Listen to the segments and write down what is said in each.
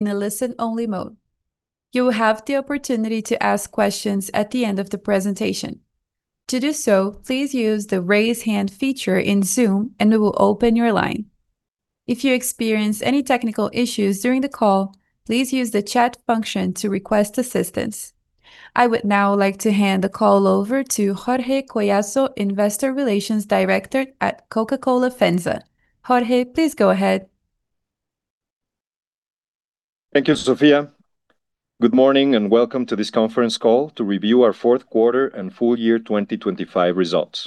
In a listen-only mode. You will have the opportunity to ask questions at the end of the presentation. To do so, please use the Raise Hand feature in Zoom, and we will open your line. If you experience any technical issues during the call, please use the chat function to request assistance. I would now like to hand the call over to Jorge Collazo, Investor Relations Director at Coca-Cola FEMSA. Jorge, please go ahead. Thank you, Sophia. Good morning, and welcome to this conference call to review our fourth quarter and full year 2025 results.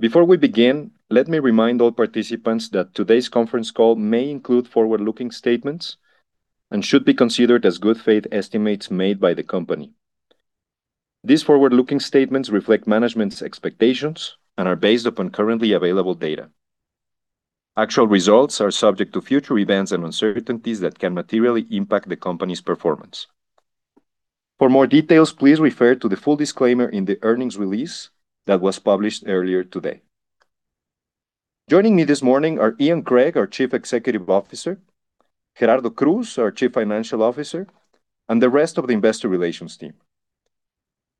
Before we begin, let me remind all participants that today's conference call may include forward-looking statements and should be considered as good faith estimates made by the company. These forward-looking statements reflect management's expectations and are based upon currently available data. Actual results are subject to future events and uncertainties that can materially impact the company's performance. For more details, please refer to the full disclaimer in the earnings release that was published earlier today. Joining me this morning are Ian Craig, our Chief Executive Officer, Gerardo Cruz, our Chief Financial Officer, and the rest of the Investor Relations team.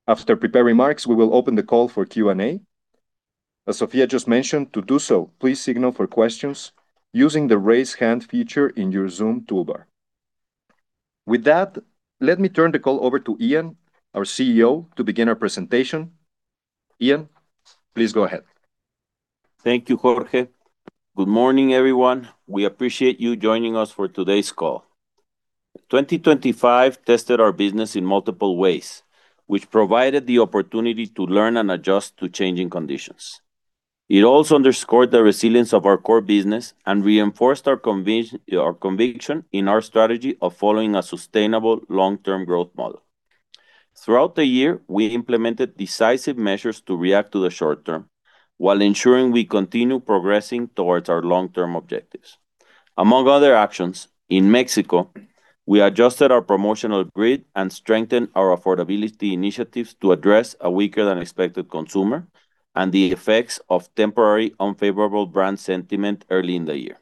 After prepared remarks, we will open the call for Q&A. As Sophia just mentioned, to do so, please signal for questions using the Raise Hand feature in your Zoom toolbar. With that, let me turn the call over to Ian, our CEO, to begin our presentation. Ian, please go ahead. Thank you, Jorge. Good morning, everyone. We appreciate you joining us for today's call. 2025 tested our business in multiple ways, which provided the opportunity to learn and adjust to changing conditions. It also underscored the resilience of our core business and reinforced our conviction in our strategy of following a sustainable long-term growth model. Throughout the year, we implemented decisive measures to react to the short term, while ensuring we continue progressing towards our long-term objectives. Among other options, in Mexico, we adjusted our promotional grid and strengthened our affordability initiatives to address a weaker-than-expected consumer and the effects of temporary unfavorable brand sentiment early in the year.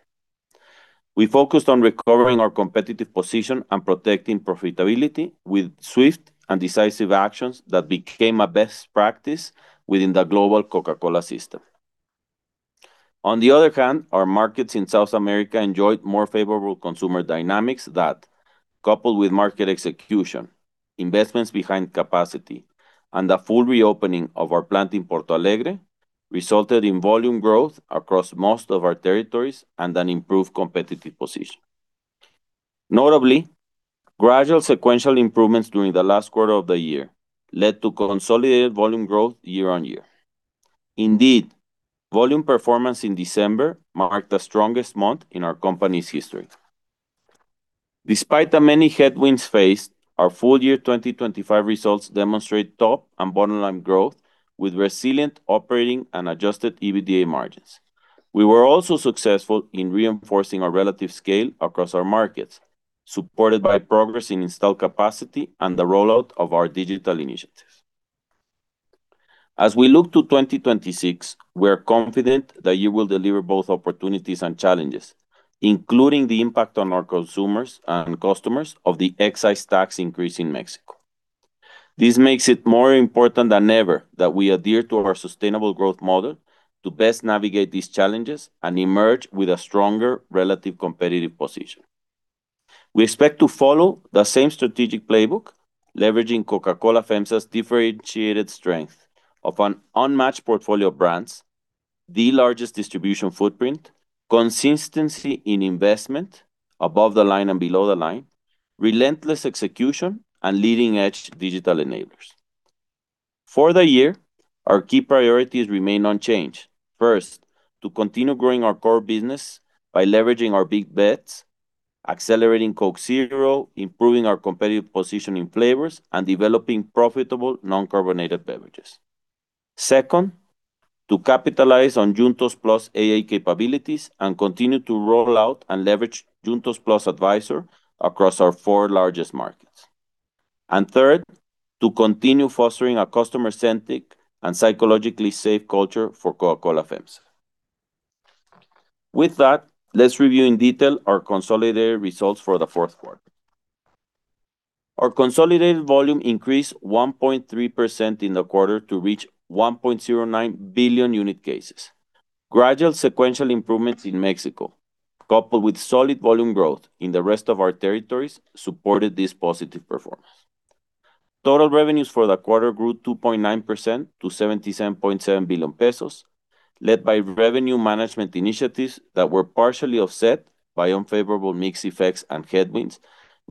We focused on recovering our competitive position and protecting profitability with swift and decisive actions that became a best practice within the global Coca-Cola system. On the other hand, our markets in South America enjoyed more favorable consumer dynamics that, coupled with market execution, investments behind capacity, and the full reopening of our plant in Porto Alegre, resulted in volume growth across most of our territories and an improved competitive position. Notably, gradual sequential improvements during the last quarter of the year led to consolidated volume growth year-over-year. Indeed, volume performance in December marked the strongest month in our company's history. Despite the many headwinds faced, our full year 2025 results demonstrate top and bottom-line growth, with resilient operating and Adjusted EBITDA margins. We were also successful in reinforcing our relative scale across our markets, supported by progress in installed capacity and the rollout of our digital initiatives. As we look to 2026, we are confident that you will deliver both opportunities and challenges, including the impact on our consumers and customers of the excise tax increase in Mexico. This makes it more important than ever that we adhere to our sustainable growth model to best navigate these challenges and emerge with a stronger relative competitive position. We expect to follow the same strategic playbook, leveraging Coca-Cola FEMSA's differentiated strength of an unmatched portfolio of brands, the largest distribution footprint, consistency in investment above the line and below the line, relentless execution, and leading-edge digital enablers. For the year, our key priorities remain unchanged. First, to continue growing our core business by leveraging our big bets, accelerating Coke Zero, improving our competitive position in flavors, and developing profitable non-carbonated beverages. Second, to capitalize on Juntos+ AI capabilities and continue to roll out and leverage Juntos+ Advisor across our four largest markets. Third, to continue fostering a customer-centric and psychologically safe culture for Coca-Cola FEMSA. That, let's review in detail our consolidated results for the fourth quarter. Our consolidated volume increased 1.3% in the quarter to reach 1.09 billion unit cases. Gradual sequential improvements in Mexico, coupled with solid volume growth in the rest of our territories, supported this positive performance. Total revenues for the quarter grew 2.9% to 77.7 billion pesos, led by revenue management initiatives that were partially offset by unfavorable mix effects and headwinds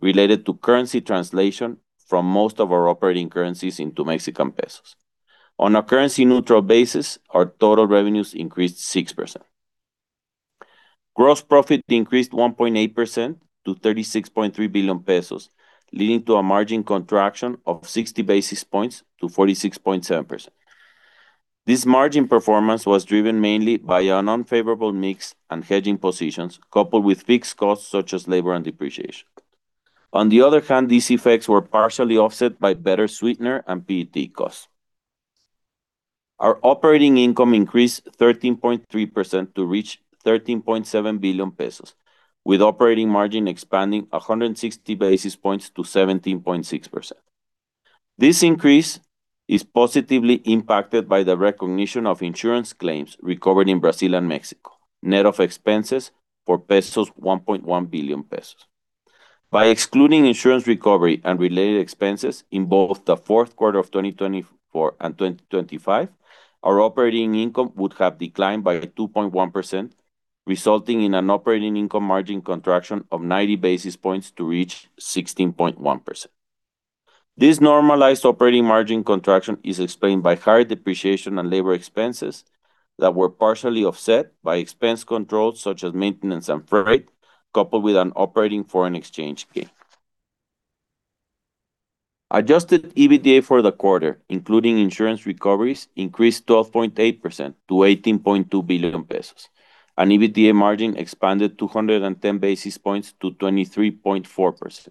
related to currency translation from most of our operating currencies into Mexican pesos. A currency-neutral basis, our total revenues increased 6%. Gross profit increased 1.8% to 36.3 billion pesos, leading to a margin contraction of 60 basis points to 46.7%. This margin performance was driven mainly by an unfavorable mix and hedging positions, coupled with fixed costs such as labor and depreciation. These effects were partially offset by better sweetener and PET costs. Our operating income increased 13.3% to reach 13.7 billion pesos, with operating margin expanding 160 basis points to 17.6%. This increase is positively impacted by the recognition of insurance claims recovered in Brazil and Mexico, net of expenses for pesos, 1.1 billion pesos. By excluding insurance recovery and related expenses in both the fourth quarter of 2024 and 2025, our operating income would have declined by 2.1%, resulting in an operating income margin contraction of 90 basis points to reach 16.1%. This normalized operating margin contraction is explained by higher depreciation and labor expenses that were partially offset by expense controls, such as maintenance and freight, coupled with an operating foreign exchange gain. Adjusted EBITDA for the quarter, including insurance recoveries, increased 12.8% to 18.2 billion pesos, and EBITDA margin expanded 210 basis points to 23.4%.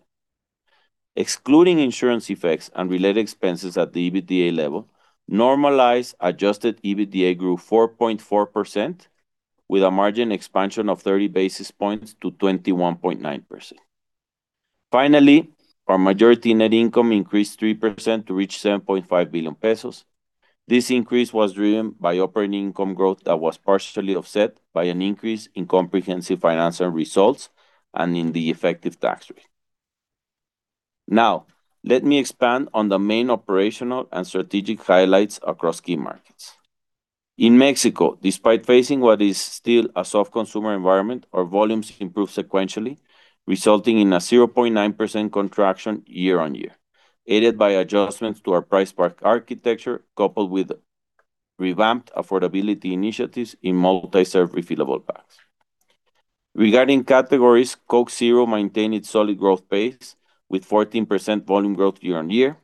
Excluding insurance effects and related expenses at the EBITDA level, normalized Adjusted EBITDA grew 4.4%, with a margin expansion of 30 basis points to 21.9%. Finally, our majority net income increased 3% to reach 7.5 billion pesos. This increase was driven by operating income growth that was partially offset by an increase in comprehensive financial results and in the effective tax rate. Now, let me expand on the main operational and strategic highlights across key markets. In Mexico, despite facing what is still a soft consumer environment, our volumes improved sequentially, resulting in a 0.9% contraction year-on-year, aided by adjustments to our price pack architecture, coupled with revamped affordability initiatives in multi-serve refillable packs. Regarding categories, Coke Zero maintained its solid growth pace with 14% volume growth year-on-year.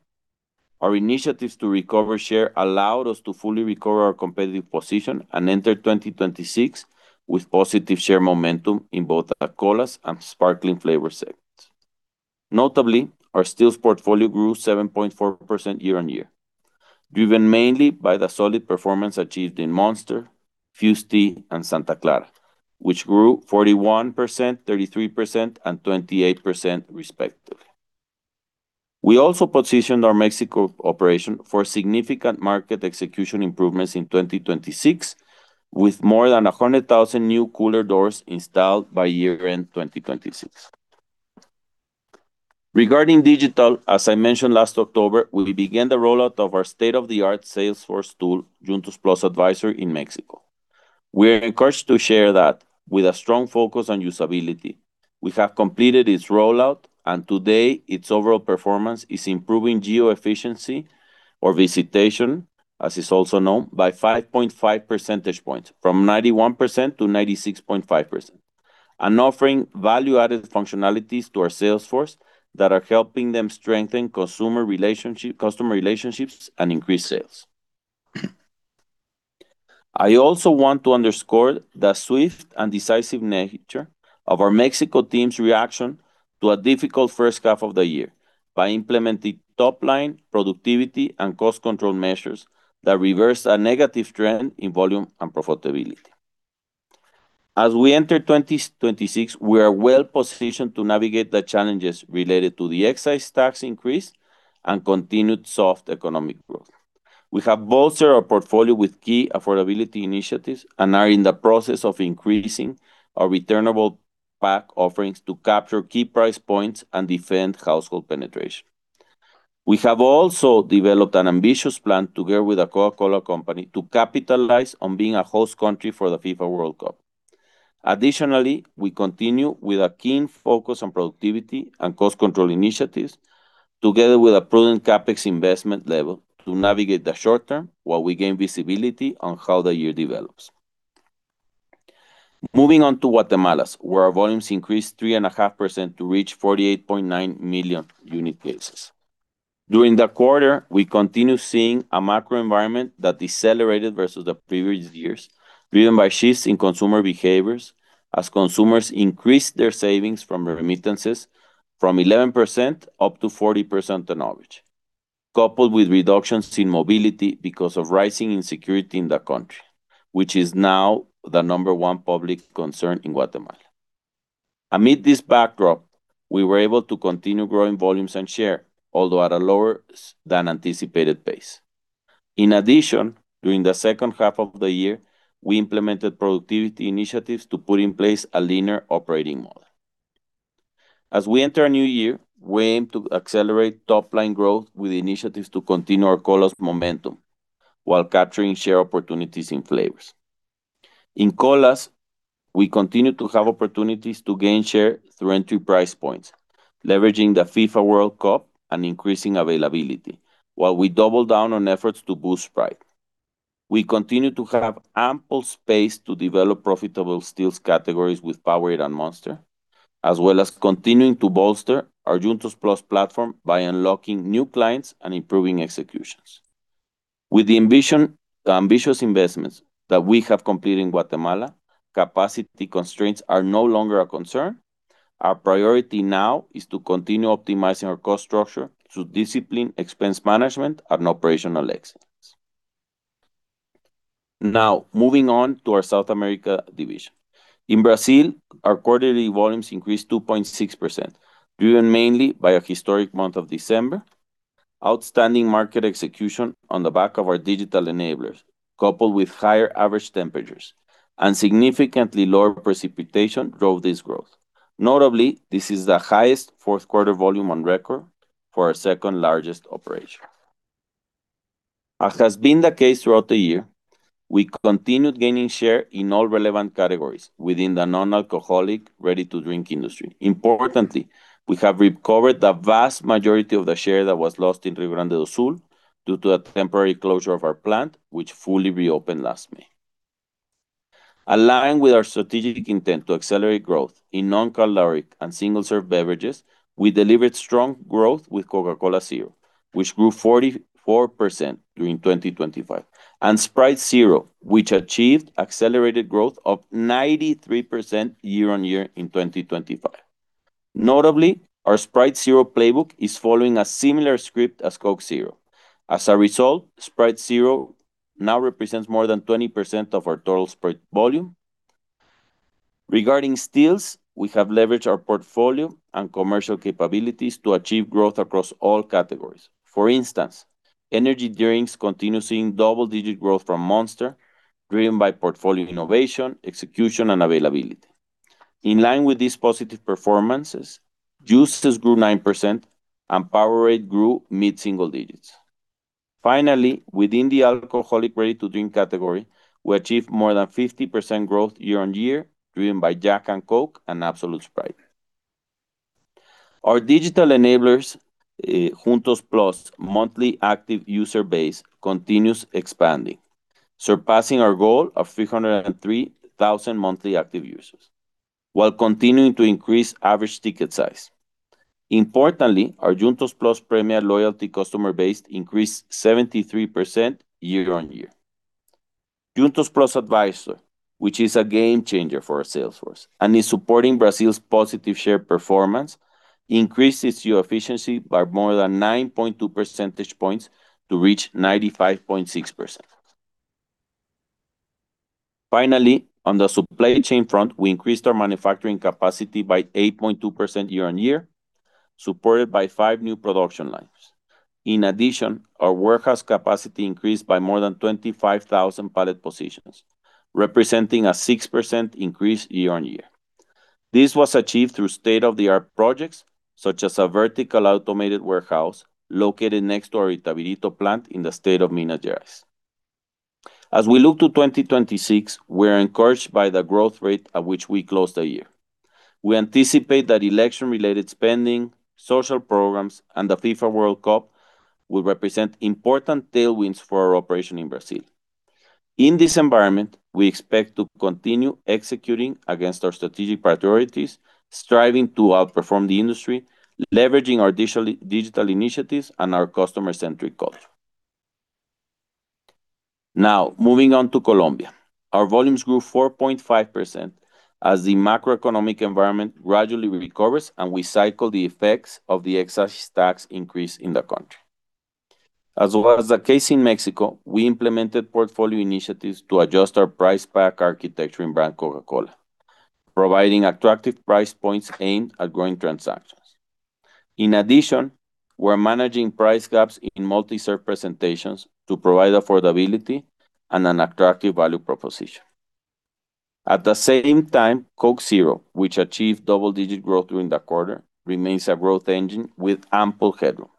Our initiatives to recover share allowed us to fully recover our competitive position and enter 2026 with positive share momentum in both the colas and sparkling flavor segments. Notably, our stills portfolio grew 7.4% year-over-year, driven mainly by the solid performance achieved in Monster, Fuze Tea, and Santa Clara, which grew 41%, 33%, and 28% respectively. We also positioned our Mexico operation for significant market execution improvements in 2026, with more than 100,000 new cooler doors installed by year-end, 2026. Regarding digital, as I mentioned last October, we began the rollout of our state-of-the-art sales force tool, Juntos+ Advisor, in Mexico. We are encouraged to share that with a strong focus on usability, we have completed its rollout, and today, its overall performance is improving geo efficiency or visitation, as it's also known, by 5.5 percentage points, from 91% to 96.5%. Offering value-added functionalities to our sales force that are helping them strengthen consumer relationship, customer relationships and increase sales. I also want to underscore the swift and decisive nature of our Mexico team's reaction to a difficult first half of the year by implementing top line productivity and cost control measures that reversed a negative trend in volume and profitability. As we enter 2026, we are well positioned to navigate the challenges related to the excise tax increase and continued soft economic growth. We have bolstered our portfolio with key affordability initiatives and are in the process of increasing our returnable pack offerings to capture key price points and defend household penetration. We have also developed an ambitious plan together with The Coca-Cola Company, to capitalize on being a host country for the FIFA World Cup. Additionally, we continue with a keen focus on productivity and cost control initiatives, together with a prudent CapEx investment level, to navigate the short term while we gain visibility on how the year develops. Moving on to Guatemala, where our volumes increased 3.5% to reach 48.9 million unit cases. During the quarter, we continued seeing a macro environment that decelerated versus the previous years, driven by shifts in consumer behaviors as consumers increased their savings from remittances from 11% up to 40% on average, coupled with reductions in mobility because of rising insecurity in the country, which is now the number one public concern in Guatemala. Amid this backdrop, we were able to continue growing volumes and share, although at a lower than anticipated pace. In addition, during the second half of the year, we implemented productivity initiatives to put in place a linear operating model. As we enter a new year, we aim to accelerate top-line growth with initiatives to continue our colas momentum while capturing share opportunities in flavors. In colas, we continue to have opportunities to gain share through entry price points, leveraging the FIFA World Cup and increasing availability, while we double down on efforts to boost Sprite. We continue to have ample space to develop profitable stills categories with Powerade and Monster, as well as continuing to bolster our Juntos+ platform by unlocking new clients and improving executions. With the ambitious investments that we have completed in Guatemala, capacity constraints are no longer a concern. Our priority now is to continue optimizing our cost structure through disciplined expense management and operational excellence. Moving on to our South America division. In Brazil, our quarterly volumes increased 2.6%, driven mainly by a historic month of December. Outstanding market execution on the back of our digital enablers, coupled with higher average temperatures and significantly lower precipitation, drove this growth. Notably, this is the highest fourth quarter volume on record for our second-largest operation. As has been the case throughout the year, we continued gaining share in all relevant categories within the non-alcoholic, ready-to-drink industry. Importantly, we have recovered the vast majority of the share that was lost in Rio Grande do Sul due to a temporary closure of our plant, which fully reopened last May. Aligned with our strategic intent to accelerate growth in non-caloric and single-serve beverages, we delivered strong growth with Coca-Cola Zero, which grew 44% during 2025, and Sprite Zero, which achieved accelerated growth of 93% year-on-year in 2025. Notably, our Sprite Zero playbook is following a similar script as Coke Zero. As a result, Sprite Zero now represents more than 20% of our total Sprite volume. Regarding stills, we have leveraged our portfolio and commercial capabilities to achieve growth across all categories. For instance, energy drinks continue seeing double-digit growth from Monster, driven by portfolio innovation, execution, and availability. In line with these positive performances, juices grew 9% and Powerade grew mid-single digits. Finally, within the alcoholic ready-to-drink category, we achieved more than 50% growth year on year, driven by Jack and Coke and Absolut & Sprite. Our digital enablers, Juntos+ monthly active user base continues expanding, surpassing our goal of 303,000 monthly active users, while continuing to increase average ticket size. Importantly, our Premia Juntos+ loyalty customer base increased 73% year-on-year. Juntos+ Advisor, which is a game changer for our sales force and is supporting Brazil's positive share performance, increased its geo efficiency by more than 9.2 percentage points to reach 95.6%. Finally, on the supply chain front, we increased our manufacturing capacity by 8.2% year-on-year, supported by five new production lines. In addition, our warehouse capacity increased by more than 25,000 pallet positions, representing a 6% increase year-on-year. This was achieved through state-of-the-art projects, such as a vertical automated warehouse located next to our Itabirito plant in the state of Minas Gerais. As we look to 2026, we're encouraged by the growth rate at which we closed the year. We anticipate that election-related spending, social programs, and the FIFA World Cup will represent important tailwinds for our operation in Brazil. In this environment, we expect to continue executing against our strategic priorities, striving to outperform the industry, leveraging our digital initiatives, and our customer-centric culture. Now, moving on to Colombia. Our volumes grew 4.5% as the macroeconomic environment gradually recovers, and we cycle the effects of the excise tax increase in the country. As was the case in Mexico, we implemented portfolio initiatives to adjust our price pack architecture in brand Coca-Cola, providing attractive price points aimed at growing transactions. In addition, we're managing price gaps in multi-serve presentations to provide affordability and an attractive value proposition. At the same time, Coke Zero, which achieved double-digit growth during the quarter, remains a growth engine with ample headroom.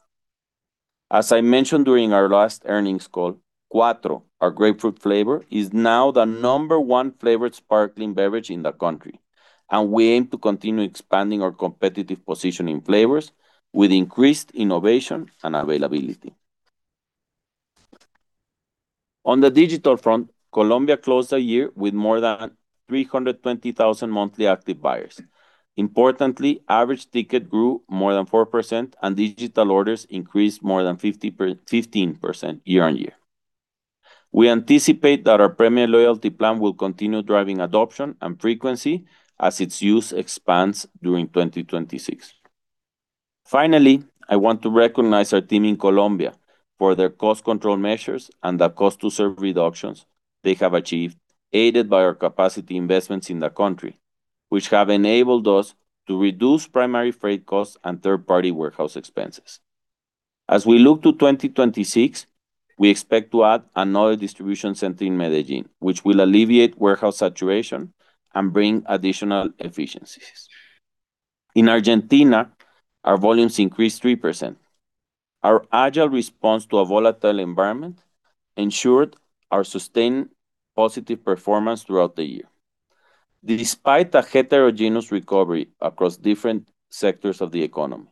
As I mentioned during our last earnings call, Quatro, our grapefruit flavor, is now the number one flavored sparkling beverage in the country, and we aim to continue expanding our competitive position in flavors with increased innovation and availability. On the digital front, Colombia closed the year with more than 320,000 monthly active buyers. Importantly, average ticket grew more than 4%, and digital orders increased more than 15% year-over-year. We anticipate that our premium loyalty plan will continue driving adoption and frequency as its use expands during 2026. Finally, I want to recognize our team in Colombia for their cost control measures and the cost-to-serve reductions they have achieved, aided by our capacity investments in the country, which have enabled us to reduce primary freight costs and third-party warehouse expenses. As we look to 2026, we expect to add another distribution center in Medellín, which will alleviate warehouse saturation and bring additional efficiencies. In Argentina, our volumes increased 3%. Our agile response to a volatile environment ensured our sustained positive performance throughout the year. Despite a heterogeneous recovery across different sectors of the economy,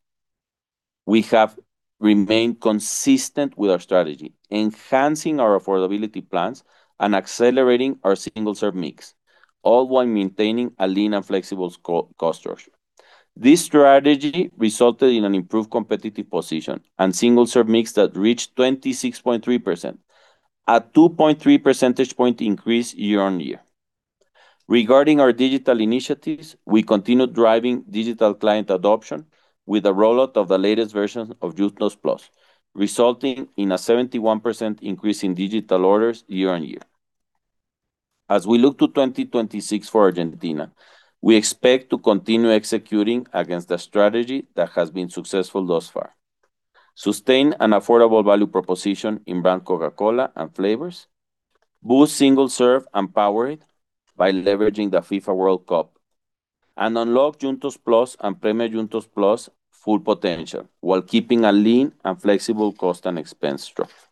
we have remained consistent with our strategy, enhancing our affordability plans and accelerating our single-serve mix, all while maintaining a lean and flexible cost structure. This strategy resulted in an improved competitive position and single-serve mix that reached 26.3%. A 2.3 percentage point increase year-on-year. Regarding our digital initiatives, we continued driving digital client adoption with the rollout of the latest version of Juntos+, resulting in a 71% increase in digital orders year-on-year. As we look to 2026 for Argentina, we expect to continue executing against the strategy that has been successful thus far. Sustain an affordable value proposition in brand Coca-Cola and flavors, boost Single Serve and Powerade by leveraging the FIFA World Cup, and unlock Juntos+ and Premia Juntos+ full potential, while keeping a lean and flexible cost and expense structure.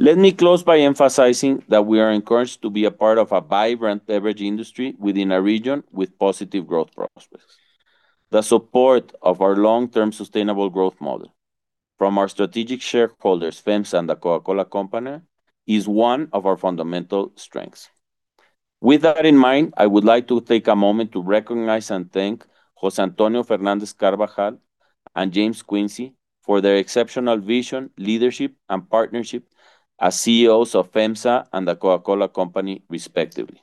Let me close by emphasizing that we are encouraged to be a part of a vibrant beverage industry within a region with positive growth prospects. The support of our long-term sustainable growth model from our strategic shareholders, FEMSA and The Coca-Cola Company, is one of our fundamental strengths. With that in mind, I would like to take a moment to recognize and thank José Antonio Fernández Carbajal and James Quincey for their exceptional vision, leadership, and partnership as CEOs of FEMSA and The Coca-Cola Company, respectively.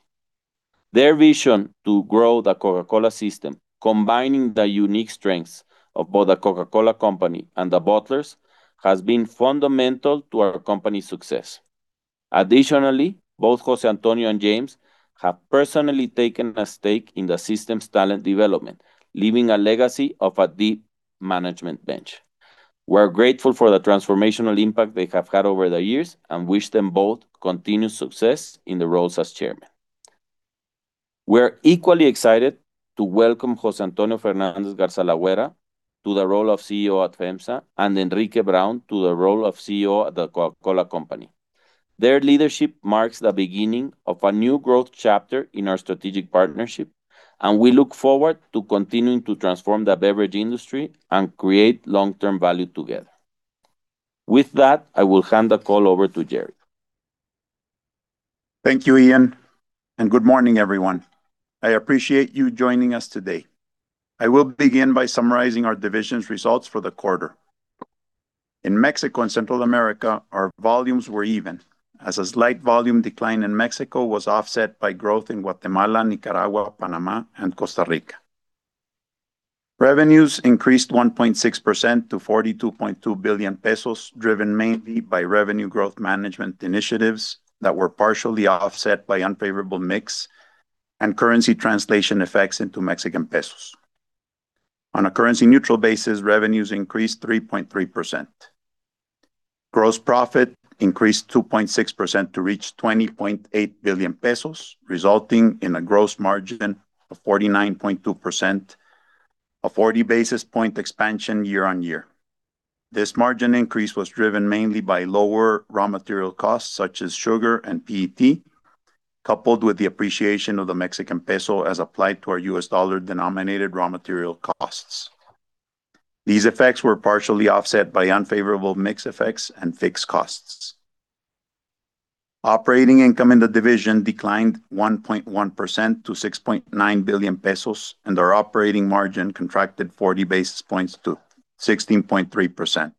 Their vision to grow the Coca-Cola system, combining the unique strengths of both The Coca-Cola Company and the bottlers, has been fundamental to our company's success. Additionally, both José Antonio and James have personally taken a stake in the system's talent development, leaving a legacy of a deep management bench. We're grateful for the transformational impact they have had over the years, and wish them both continued success in their roles as chairman. We're equally excited to welcome José Antonio Fernández Garza-Lagüera to the role of CEO at FEMSA, and Henrique Braun to the role of CEO at The Coca-Cola Company. Their leadership marks the beginning of a new growth chapter in our strategic partnership, and we look forward to continuing to transform the beverage industry and create long-term value together. With that, I will hand the call over to Gerardo. Thank you, Ian, and good morning, everyone. I appreciate you joining us today. I will begin by summarizing our division's results for the quarter. In Mexico and Central America, our volumes were even, as a slight volume decline in Mexico was offset by growth in Guatemala, Nicaragua, Panama, and Costa Rica. Revenues increased 1.6% to 42.2 billion pesos, driven mainly by revenue growth management initiatives that were partially offset by unfavorable mix and currency translation effects into Mexican pesos. On a currency neutral basis, revenues increased 3.3%. Gross profit increased 2.6% to reach 20.8 billion pesos, resulting in a gross margin of 49.2%, a 40 basis point expansion year-over-year. This margin increase was driven mainly by lower raw material costs, such as sugar and PET, coupled with the appreciation of the Mexican peso as applied to our US dollar-denominated raw material costs. These effects were partially offset by unfavorable mix effects and fixed costs. Operating income in the division declined 1.1% to 6.9 billion pesos. Our operating margin contracted 40 basis points to 16.3%.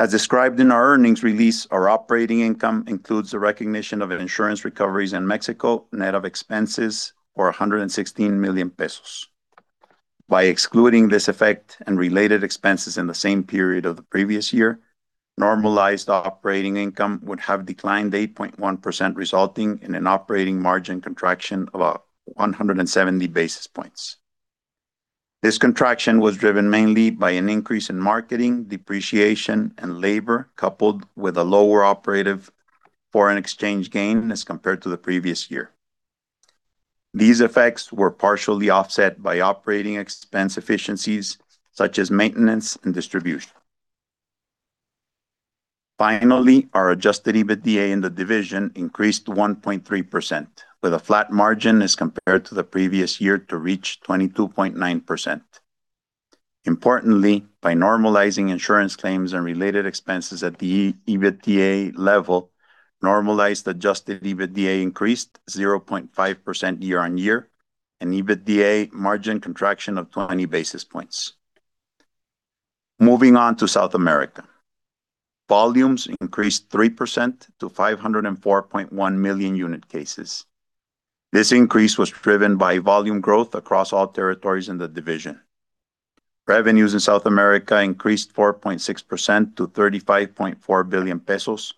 As described in our earnings release, our operating income includes the recognition of insurance recoveries in Mexico, net of expenses, or 116 million pesos. By excluding this effect and related expenses in the same period of the previous year, normalized operating income would have declined 8.1%, resulting in an operating margin contraction of 170 basis points. This contraction was driven mainly by an increase in marketing, depreciation, and labor, coupled with a lower operative foreign exchange gain as compared to the previous year. These effects were partially offset by operating expense efficiencies, such as maintenance and distribution. Our Adjusted EBITDA in the division increased 1.3%, with a flat margin as compared to the previous year, to reach 22.9%. Importantly, by normalizing insurance claims and related expenses at the EBITDA level, normalized Adjusted EBITDA increased 0.5% year-on-year, an EBITDA margin contraction of 20 basis points. Moving on to South America. Volumes increased 3% to 504.1 million unit cases. This increase was driven by volume growth across all territories in the division. Revenues in South America increased 4.6% to 35.4 billion pesos,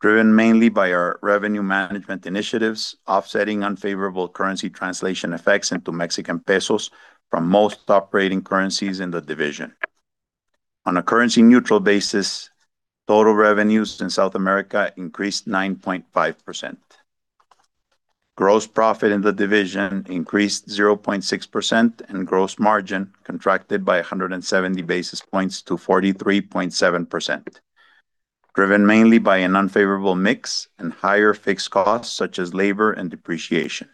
driven mainly by our revenue management initiatives, offsetting unfavorable currency translation effects into Mexican pesos from most operating currencies in the division. On a currency neutral basis, total revenues in South America increased 9.5%. Gross profit in the division increased 0.6%. Gross margin contracted by 170 basis points to 43.7%, driven mainly by an unfavorable mix and higher fixed costs, such as labor and depreciation.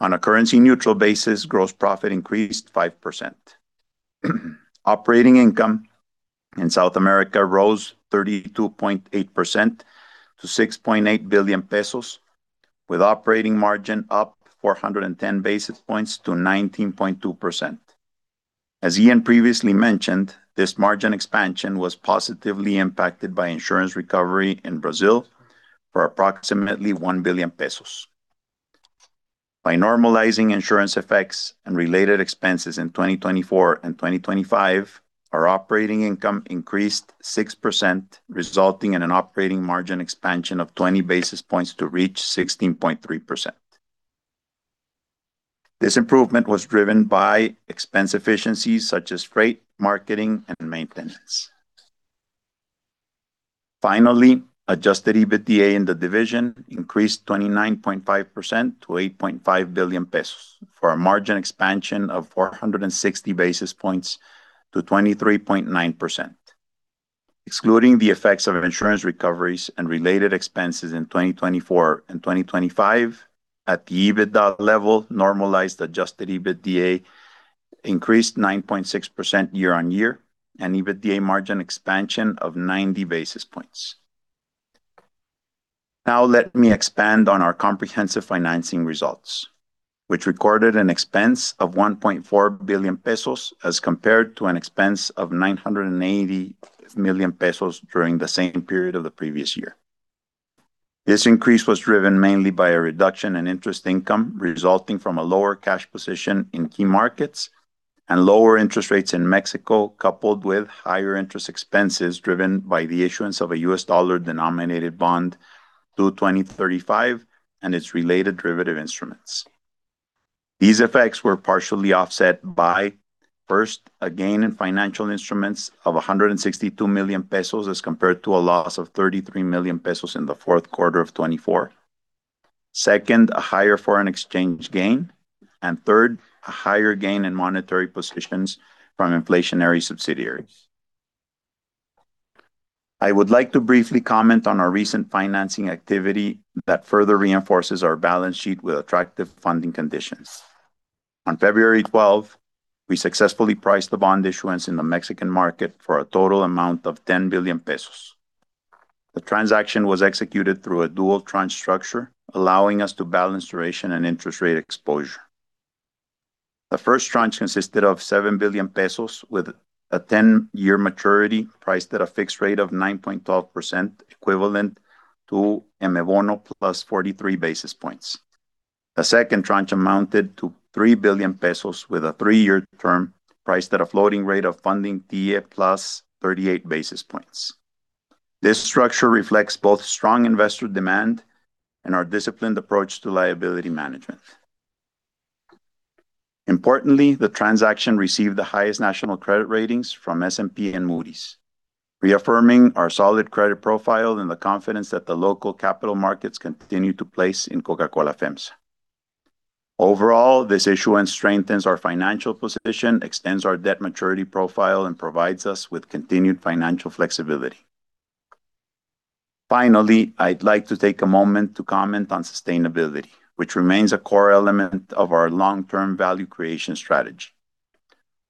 On a currency neutral basis, gross profit increased 5%. Operating income in South America rose 32.8% to 6.8 billion pesos. With operating margin up 410 basis points to 19.2%. As Ian previously mentioned, this margin expansion was positively impacted by insurance recovery in Brazil for approximately 1 billion pesos. By normalizing insurance effects and related expenses in 2024 and 2025, our operating income increased 6%, resulting in an operating margin expansion of 20 basis points to reach 16.3%. This improvement was driven by expense efficiencies such as freight, marketing, and maintenance. Finally, Adjusted EBITDA in the division increased 29.5% to 8.5 billion pesos, for a margin expansion of 460 basis points to 23.9%. Excluding the effects of insurance recoveries and related expenses in 2024 and 2025, at the EBITDA level, normalized Adjusted EBITDA increased 9.6% year-on-year, an EBITDA margin expansion of 90 basis points. Now let me expand on our comprehensive financing results, which recorded an expense of 1.4 billion pesos, as compared to an expense of 980 million pesos during the same period of the previous year. This increase was driven mainly by a reduction in interest income, resulting from a lower cash position in key markets and lower interest rates in Mexico, coupled with higher interest expenses driven by the issuance of a US dollar-denominated bond to 2035, and its related derivative instruments. These effects were partially offset by, first, a gain in financial instruments of 162 million pesos, as compared to a loss of 33 million pesos in the fourth quarter of 2024. Second, a higher foreign exchange gain, and third, a higher gain in monetary positions from inflationary subsidiaries. I would like to briefly comment on our recent financing activity that further reinforces our balance sheet with attractive funding conditions. On February 12 2026, we successfully priced the bond issuance in the Mexican market for a total amount of 10 billion pesos. The transaction was executed through a dual tranche structure, allowing us to balance duration and interest rate exposure. The first tranche consisted of 7 billion pesos, with a 10-year maturity, priced at a fixed rate of 9.12%, equivalent to Mbono plus 43 basis points. A second tranche amounted to 3 billion pesos with a three-year term, priced at a floating rate of Funding TIIE plus 38 basis points. This structure reflects both strong investor demand and our disciplined approach to liability management. Importantly, the transaction received the highest national credit ratings from S&P and Moody's, reaffirming our solid credit profile and the confidence that the local capital markets continue to place in Coca-Cola FEMSA. Overall, this issuance strengthens our financial position, extends our debt maturity profile, and provides us with continued financial flexibility. Finally, I'd like to take a moment to comment on sustainability, which remains a core element of our long-term value creation strategy.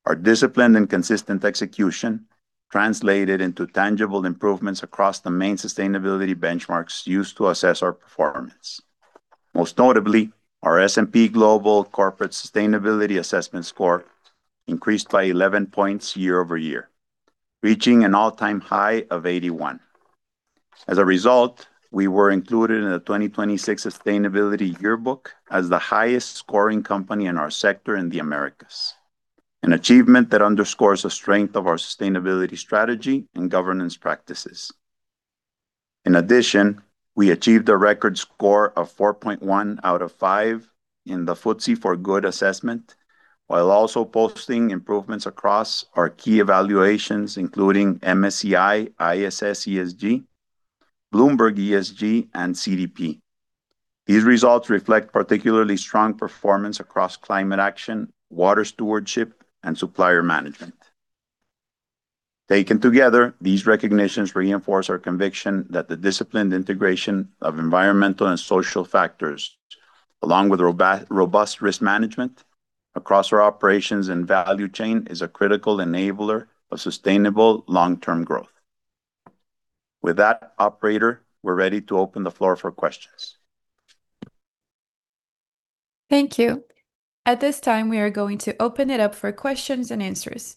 Our disciplined and consistent execution translated into tangible improvements across the main sustainability benchmarks used to assess our performance. Most notably, our S&P Global Corporate Sustainability Assessment Score increased by 11 points year-over-year, reaching an all-time high of 81. As a result, we were included in the 2026 Sustainability Yearbook as the highest-scoring company in our sector in the Americas, an achievement that underscores the strength of our sustainability strategy and governance practices. We achieved a record score of 4.1 out of 5 in the FTSE for Good Assessment, while also posting improvements across our key evaluations, including MSCI, ISS, ESG, Bloomberg ESG, and CDP. These results reflect particularly strong performance across climate action, water stewardship, and supplier management. Taken together, these recognitions reinforce our conviction that the disciplined integration of environmental and social factors, along with robust risk management across our operations and value chain, is a critical enabler of sustainable long-term growth. Operator, we're ready to open the floor for questions. Thank you. At this time, we are going to open it up for questions and answers.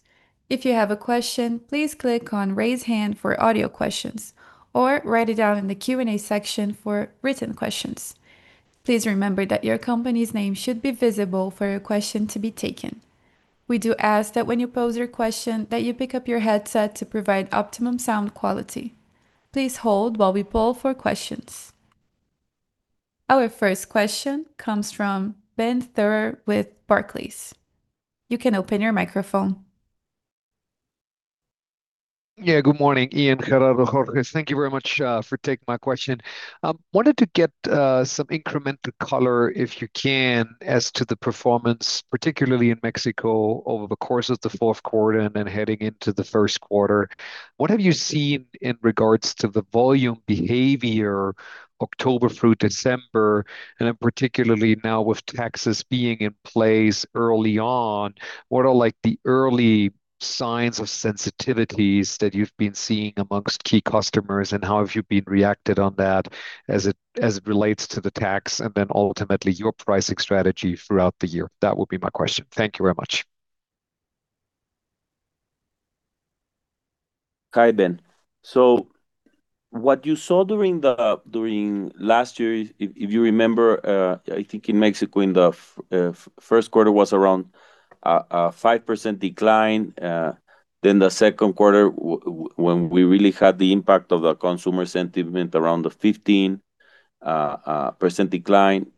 If you have a question, please click on Raise Hand for audio questions, or write it down in the Q&A section for written questions. Please remember that your company's name should be visible for your question to be taken. We do ask that when you pose your question, that you pick up your headset to provide optimum sound quality. Please hold while we poll for questions. Our first question comes from Benjamin Theurer with Barclays. You can open your microphone. Good morning, Ian, Gerardo, Jorges. Thank you very much for taking my question. Wanted to get some incremental color, if you can, as to the performance, particularly in Mexico, over the course of the fourth quarter and then heading into the first quarter. What have you seen in regards to the volume behavior October through December, and then particularly now with taxes being in place early on, what are, like, the early signs of sensitivities that you've been seeing amongst key customers, and how have you been reacted on that as it relates to the tax, and then ultimately your pricing strategy throughout the year? That would be my question. Thank you very much. Hi, Ben. What you saw during the during last year is, if you remember, I think in Mexico, in the first quarter was around a 5% decline. The second quarter, when we really had the impact of the consumer sentiment, around the 15% decline.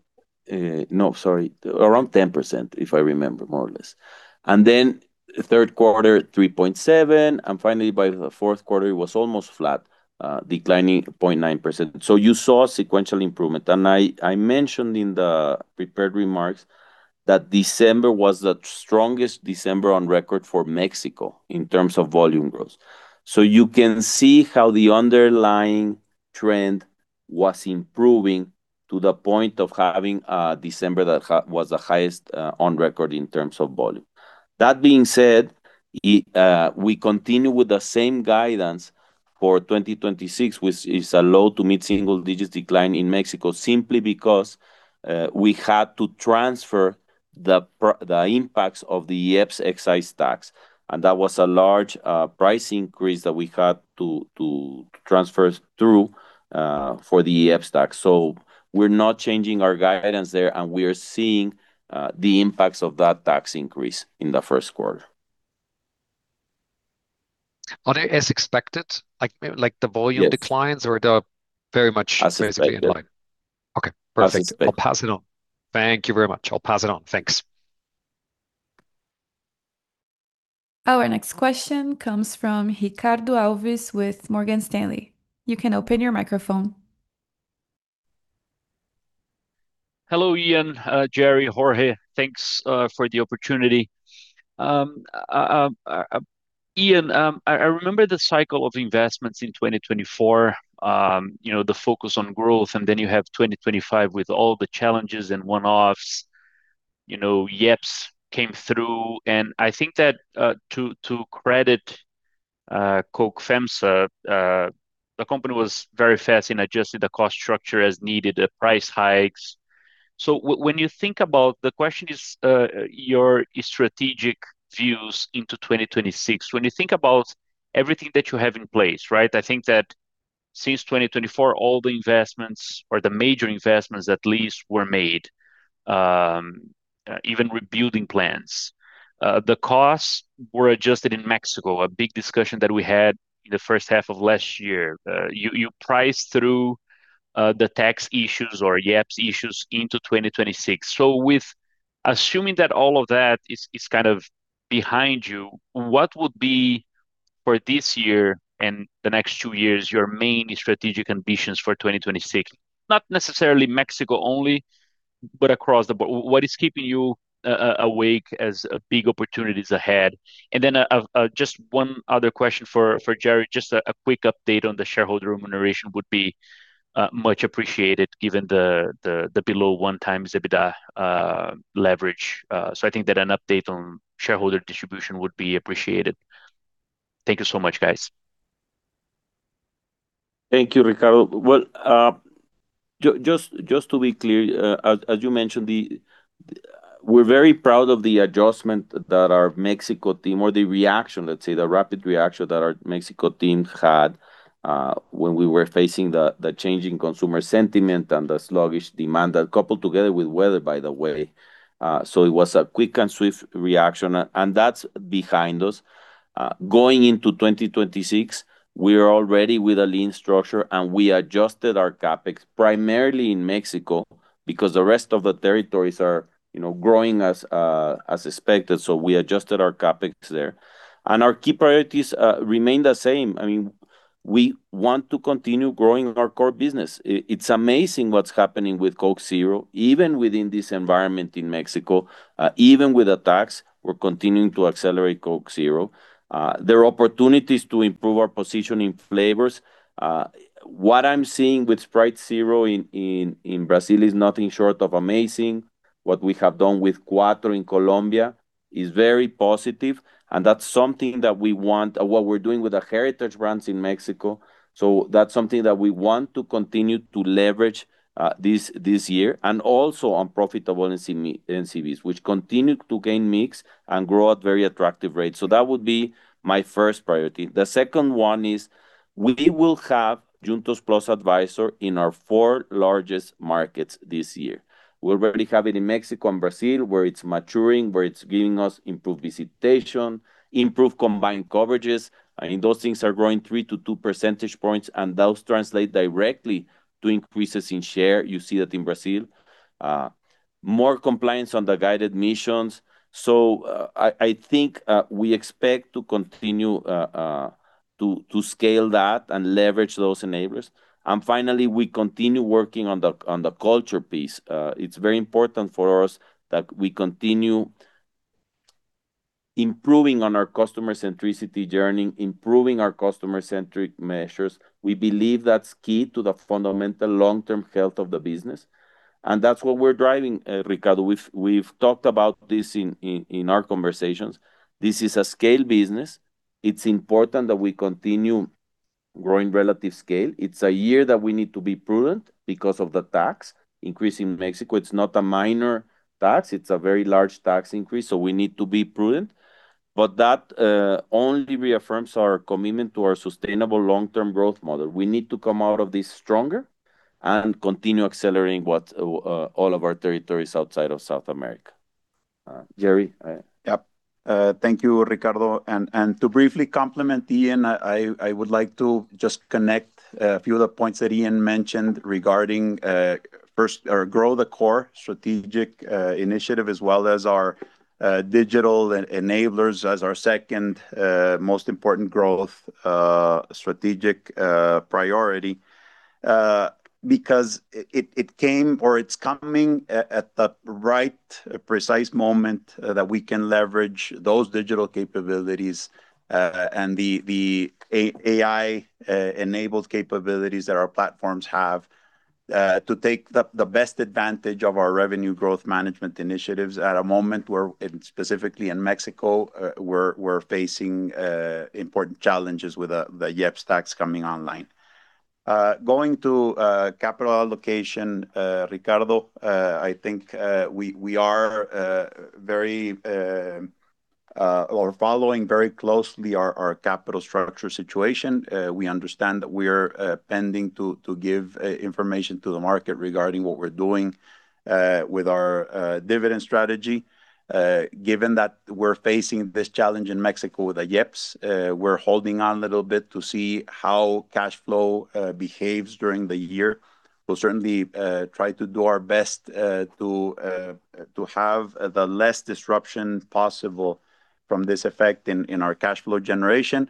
No, sorry, around 10%, if I remember, more or less. The third quarter, 3.7%, and finally, by the fourth quarter, it was almost flat, declining 0.9%. You saw sequential improvement. I mentioned in the prepared remarks that December was the strongest December on record for Mexico in terms of volume growth. You can see how the underlying trend was improving to the point of having December that was the highest on record in terms of volume. That being said, we continue with the same guidance for 2026, which is a low to mid-single-digit decline in Mexico, simply because we had to transfer the impacts of the IEPS excise tax, and that was a large price increase that we had to transfer through for the IEPS tax. We're not changing our guidance there, and we are seeing the impacts of that tax increase in the first quarter. Are they as expected? Like the volume declines or the very much- As expected. basically in line? Okay, perfect. As expected. I'll pass it on. Thank you very much. I'll pass it on. Thanks. Our next question comes from Ricardo Alves with Morgan Stanley. You can open your microphone. Hello, Ian, Gerardo, Jorge. Thanks for the opportunity. Ian, I remember the cycle of investments in 2024, you know, the focus on growth, then you have 2025 with all the challenges and one-offs. You know, IEPS came through, I think that to credit Coke FEMSA, the company was very fast in adjusting the cost structure as needed, the price hikes. When you think about. The question is your strategic views into 2026. When you think about everything that you have in place, right? I think that since 2024, all the investments or the major investments at least were made, even rebuilding plans. The costs were adjusted in Mexico, a big discussion that we had in the first half of last year. You priced through the tax issues or IEPS issues into 2026. With assuming that all of that is kind of behind you, what would be for this year and the next two years, your main strategic ambitions for 2026? Not necessarily Mexico only, but across the board. What is keeping you awake as big opportunities ahead? Just one other question for Gerardo. Just a quick update on the shareholder remuneration would be much appreciated, given the below 1x EBITDA leverage. I think that an update on shareholder distribution would be appreciated. Thank you so much, guys. Thank you, Ricardo. Well, just to be clear, as you mentioned, the we're very proud of the adjustment that our Mexico team, or the reaction, let's say, the rapid reaction that our Mexico team had, when we were facing the changing consumer sentiment and the sluggish demand that coupled together with weather, by the way. So it was a quick and swift reaction, and that's behind us. Going into 2026, we are already with a lean structure, and we adjusted our CapEx, primarily in Mexico, because the rest of the territories are, you know, growing as expected, so we adjusted our CapEx there. And our key priorities remain the same. I mean, we want to continue growing our core business. It's amazing what's happening with Coke Zero, even within this environment in Mexico. Even with the tax, we're continuing to accelerate Coke Zero. There are opportunities to improve our position in flavors. What I'm seeing with Sprite Zero in Brazil is nothing short of amazing. What we have done with Quatro in Colombia is very positive. What we're doing with the heritage brands in Mexico. That's something that we want to continue to leverage this year, and also on profitable NCBs, which continue to gain mix and grow at very attractive rates. The second one is we will have Juntos+ Advisor in our four largest markets this year. We already have it in Mexico and Brazil, where it's maturing, where it's giving us improved visitation, improved combined coverages. I mean, those things are growing 3 to 2 percentage points, and those translate directly to increases in share. You see that in Brazil. More compliance on the guided missions. I think, we expect to continue to scale that and leverage those enablers. Finally, we continue working on the, on the culture piece. It's very important for us that we continue improving on our customer centricity journey, improving our customer-centric measures. We believe that's key to the fundamental long-term health of the business, and that's what we're driving, Ricardo. We've talked about this in, in our conversations. This is a scale business. It's important that we continue growing relative scale. It's a year that we need to be prudent because of the tax increase in Mexico. It's not a minor tax, it's a very large tax increase. We need to be prudent. That only reaffirms our commitment to our sustainable long-term growth model. We need to come out of this stronger and continue accelerating what all of our territories outside of South America. Gerardo. Yep. Thank you, Ricardo. To briefly complement Ian, I would like to just connect a few of the points that Ian mentioned regarding grow the core strategic initiative, as well as our digital enablers as our second most important growth strategic priority. Because it came or it's coming at the right precise moment that we can leverage those digital capabilities and the AI enabled capabilities that our platforms have to take the best advantage of our revenue growth management initiatives at a moment where, and specifically in Mexico, we're facing important challenges with the IEPS tax coming online. Going to capital allocation, Ricardo, I think we are very. or following very closely our capital structure situation. We understand that we are pending to give information to the market regarding what we're doing with our dividend strategy. Given that we're facing this challenge in Mexico with the IEPS, we're holding on a little bit to see how cash flow behaves during the year. We'll certainly try to do our best to have the less disruption possible from this effect in our cash flow generation.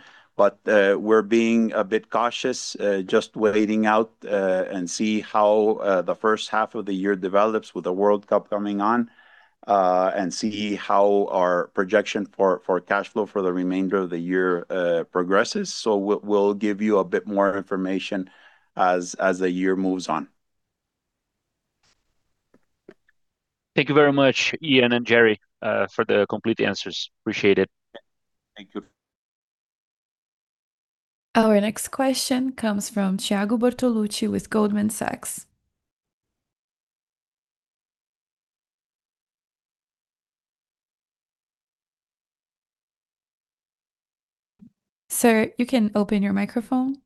We're being a bit cautious, just waiting out and see how the first half of the year develops with the World Cup coming on and see how our projection for cash flow for the remainder of the year progresses. We'll give you a bit more information as the year moves on. Thank you very much, Ian and Gerardo, for the complete answers. Appreciate it. Thank you. Our next question comes from Thiago Bortoluci with Goldman Sachs. Sir, you can open your microphone.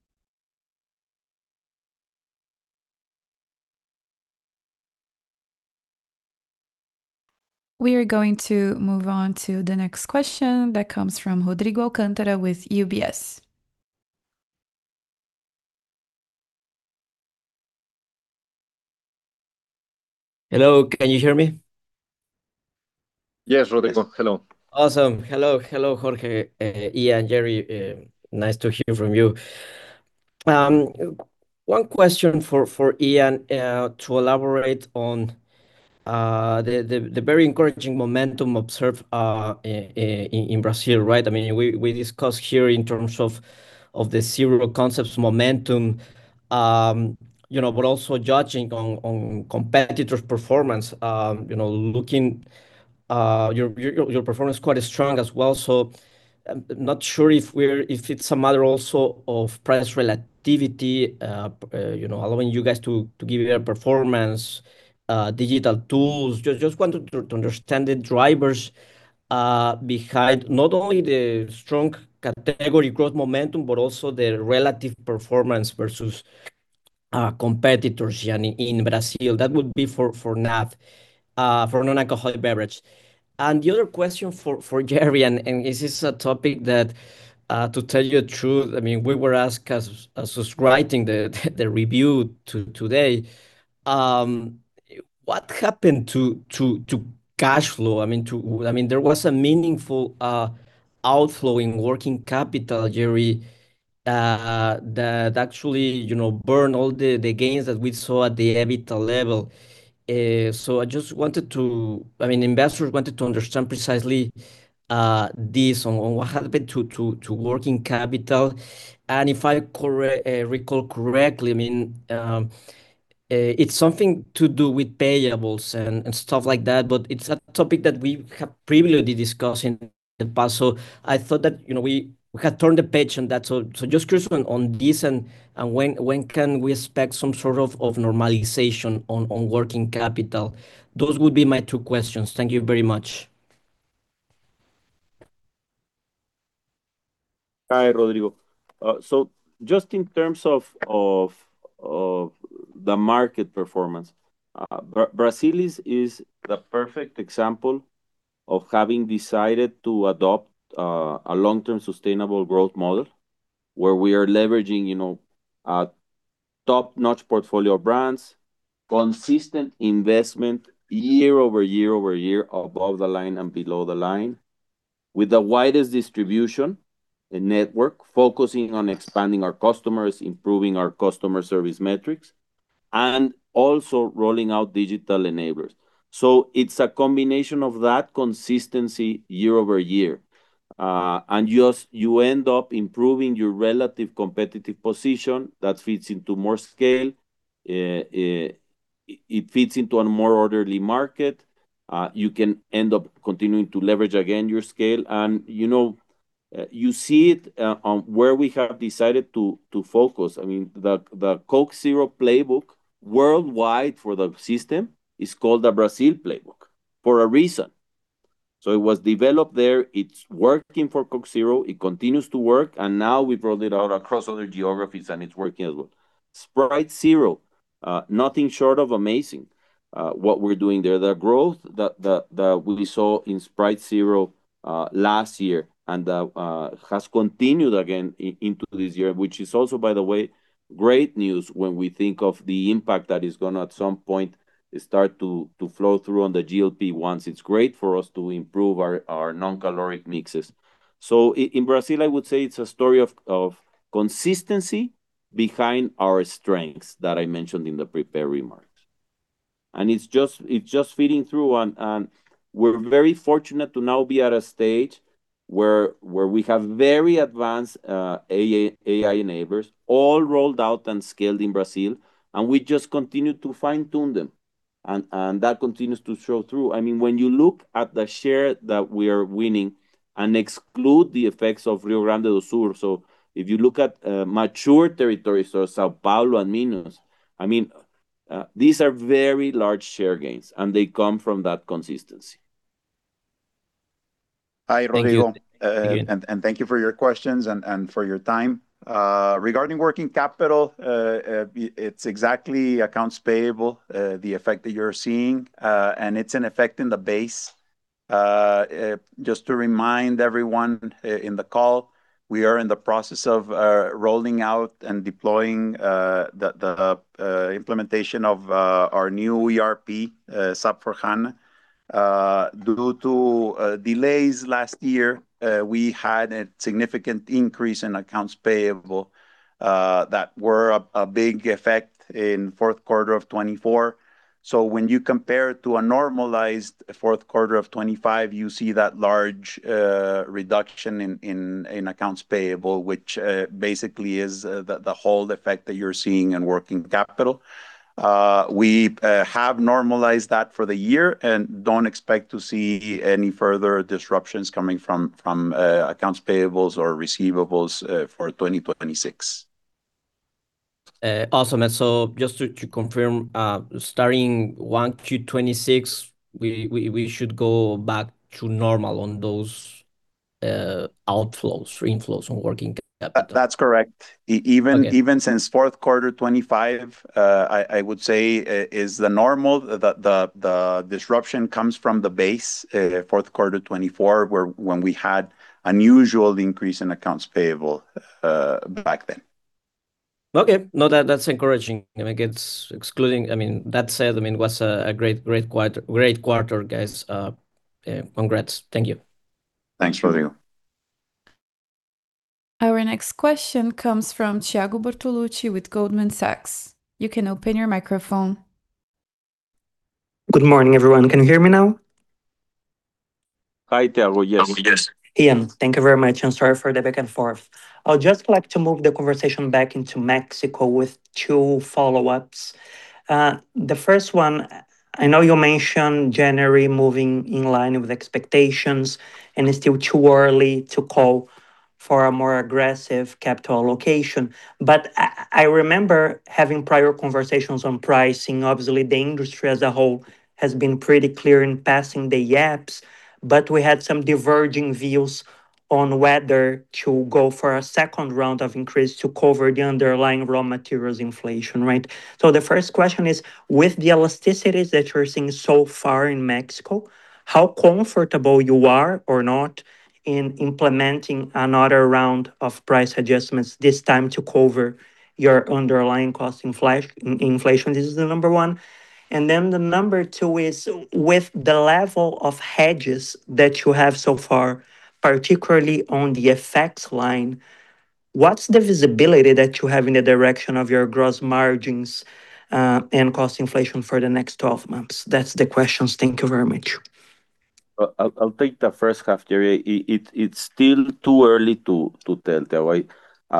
We are going to move on to the next question that comes from Rodrigo Alcântara with UBS. Hello, can you hear me? Yes, Rodrigo. Hello. Awesome. Hello. Hello, Jorge, Ian, Gerardo, nice to hear from you. One question for Ian to elaborate on the very encouraging momentum observed in Brazil, right? I mean, we discussed here in terms of the Zero Concepts momentum, you know, but also judging on competitor's performance, you know, looking your performance quite strong as well. Not sure if it's a matter also of price relativity, you know, allowing you guys to give your performance, digital tools. Just want to understand the drivers behind not only the strong category growth momentum, but also the relative performance versus competitors, Ian, in Brazil. That would be for NAB, for non-alcoholic beverage. The other question for Gerardo, and this is a topic that, to tell you the truth, I mean, we were asked as was writing the review today, what happened to cash flow? I mean, there was a meaningful outflow in working capital, Gerardo, that actually, you know, burn all the gains that we saw at the EBITDA level. I mean, investors wanted to understand precisely this on what happened to working capital. If I recall correctly, I mean, it's something to do with payables and stuff like that, but it's a topic that we have previously discussed in the past. I thought that, you know, we had turned the page on that. Just crystal on this and when can we expect some sort of normalization on working capital? Those would be my two questions. Thank you very much. Hi, Rodrigo. Just in terms of the market performance, Brazil is the perfect example of having decided to adopt a long-term sustainable growth model, where we are leveraging, you know, top-notch portfolio brands, consistent investment year-over-year over year, above the line and below the line, with the widest distribution and network, focusing on expanding our customers, improving our customer service metrics, and also rolling out digital enablers. It's a combination of that consistency year-over-year. You just, you end up improving your relative competitive position that fits into more it fits into a more orderly market. You can end up continuing to leverage again your scale, and, you know, you see it on where we have decided to focus. I mean, the Coke Zero playbook worldwide for the system is called the Brazil playbook for a reason. It was developed there, it's working for Coke Zero, it continues to work, and now we've rolled it out across other geographies, and it's working as well. Sprite Zero, nothing short of amazing, what we're doing there. The growth that we saw in Sprite Zero last year and has continued again into this year, which is also, by the way, great news when we think of the impact that is gonna at some point start to flow through on the GLP-1s. It's great for us to improve our non-caloric mixes. In Brazil, I would say it's a story of consistency behind our strengths that I mentioned in the prepared remarks. It's just feeding through and we're very fortunate to now be at a stage where we have very advanced AI enablers all rolled out and scaled in Brazil, and we just continue to fine-tune them, and that continues to show through. I mean, when you look at the share that we are winning and exclude the effects of Rio Grande do Sul, so if you look at mature territories, so São Paulo and Minas, I mean, these are very large share gains, and they come from that consistency. Hi, Rodrigo. Thank you for your questions and for your time. Regarding working capital, it's exactly accounts payable, the effect that you're seeing, and it's an effect in the base. Just to remind everyone in the call, we are in the process of rolling out and deploying the implementation of our new ERP, SAP S/4HANA. Due to delays last year, we had a significant increase in accounts payable that were a big effect in fourth quarter of 2024. When you compare it to a normalized fourth quarter of 2025, you see that large reduction in accounts payable, which basically is the whole effect that you're seeing in working capital. We have normalized that for the year and don't expect to see any further disruptions coming from accounts payables or receivables for 2026. Awesome. Just to confirm, starting 1Q 2026, we should go back to normal on those outflows or inflows on working capital? That's correct. Okay. Even since fourth quarter 2025, I would say, is the normal. The disruption comes from the base, fourth quarter 2024, where when we had unusual increase in accounts payable, back then. Okay. No, that's encouraging. I mean, that said, I mean, it was a great quarter, guys. Congrats. Thank you. Thanks, Rodrigo. Our next question comes from Thiago Bortoluci with Goldman Sachs. You can open your microphone. Good morning, everyone. Can you hear me now? Hi, Thiago. Yes. Yes. Hi, thank you very much, and sorry for the back and forth. I would just like to move the conversation back into Mexico with two follow-ups. The first one, I know you mentioned January moving in line with expectations, and it's still too early to call for a more aggressive capital location. I remember having prior conversations on pricing. Obviously, the industry as a whole has been pretty clear in passing the gaps, but we had some diverging views on whether to go for a second round of increase to cover the underlying raw materials inflation, right? The first question is, with the elasticities that you are seeing so far in Mexico, how comfortable you are or not in implementing another round of price adjustments, this time to cover your underlying cost inflation? This is the number one. The number two is, with the level of hedges that you have so far, particularly on the effects line, what's the visibility that you have in the direction of your gross margins, and cost inflation for the next 12 months? That's the questions. Thank you very much. I'll take the first half, Thiago. It's still too early to tell, Thiago.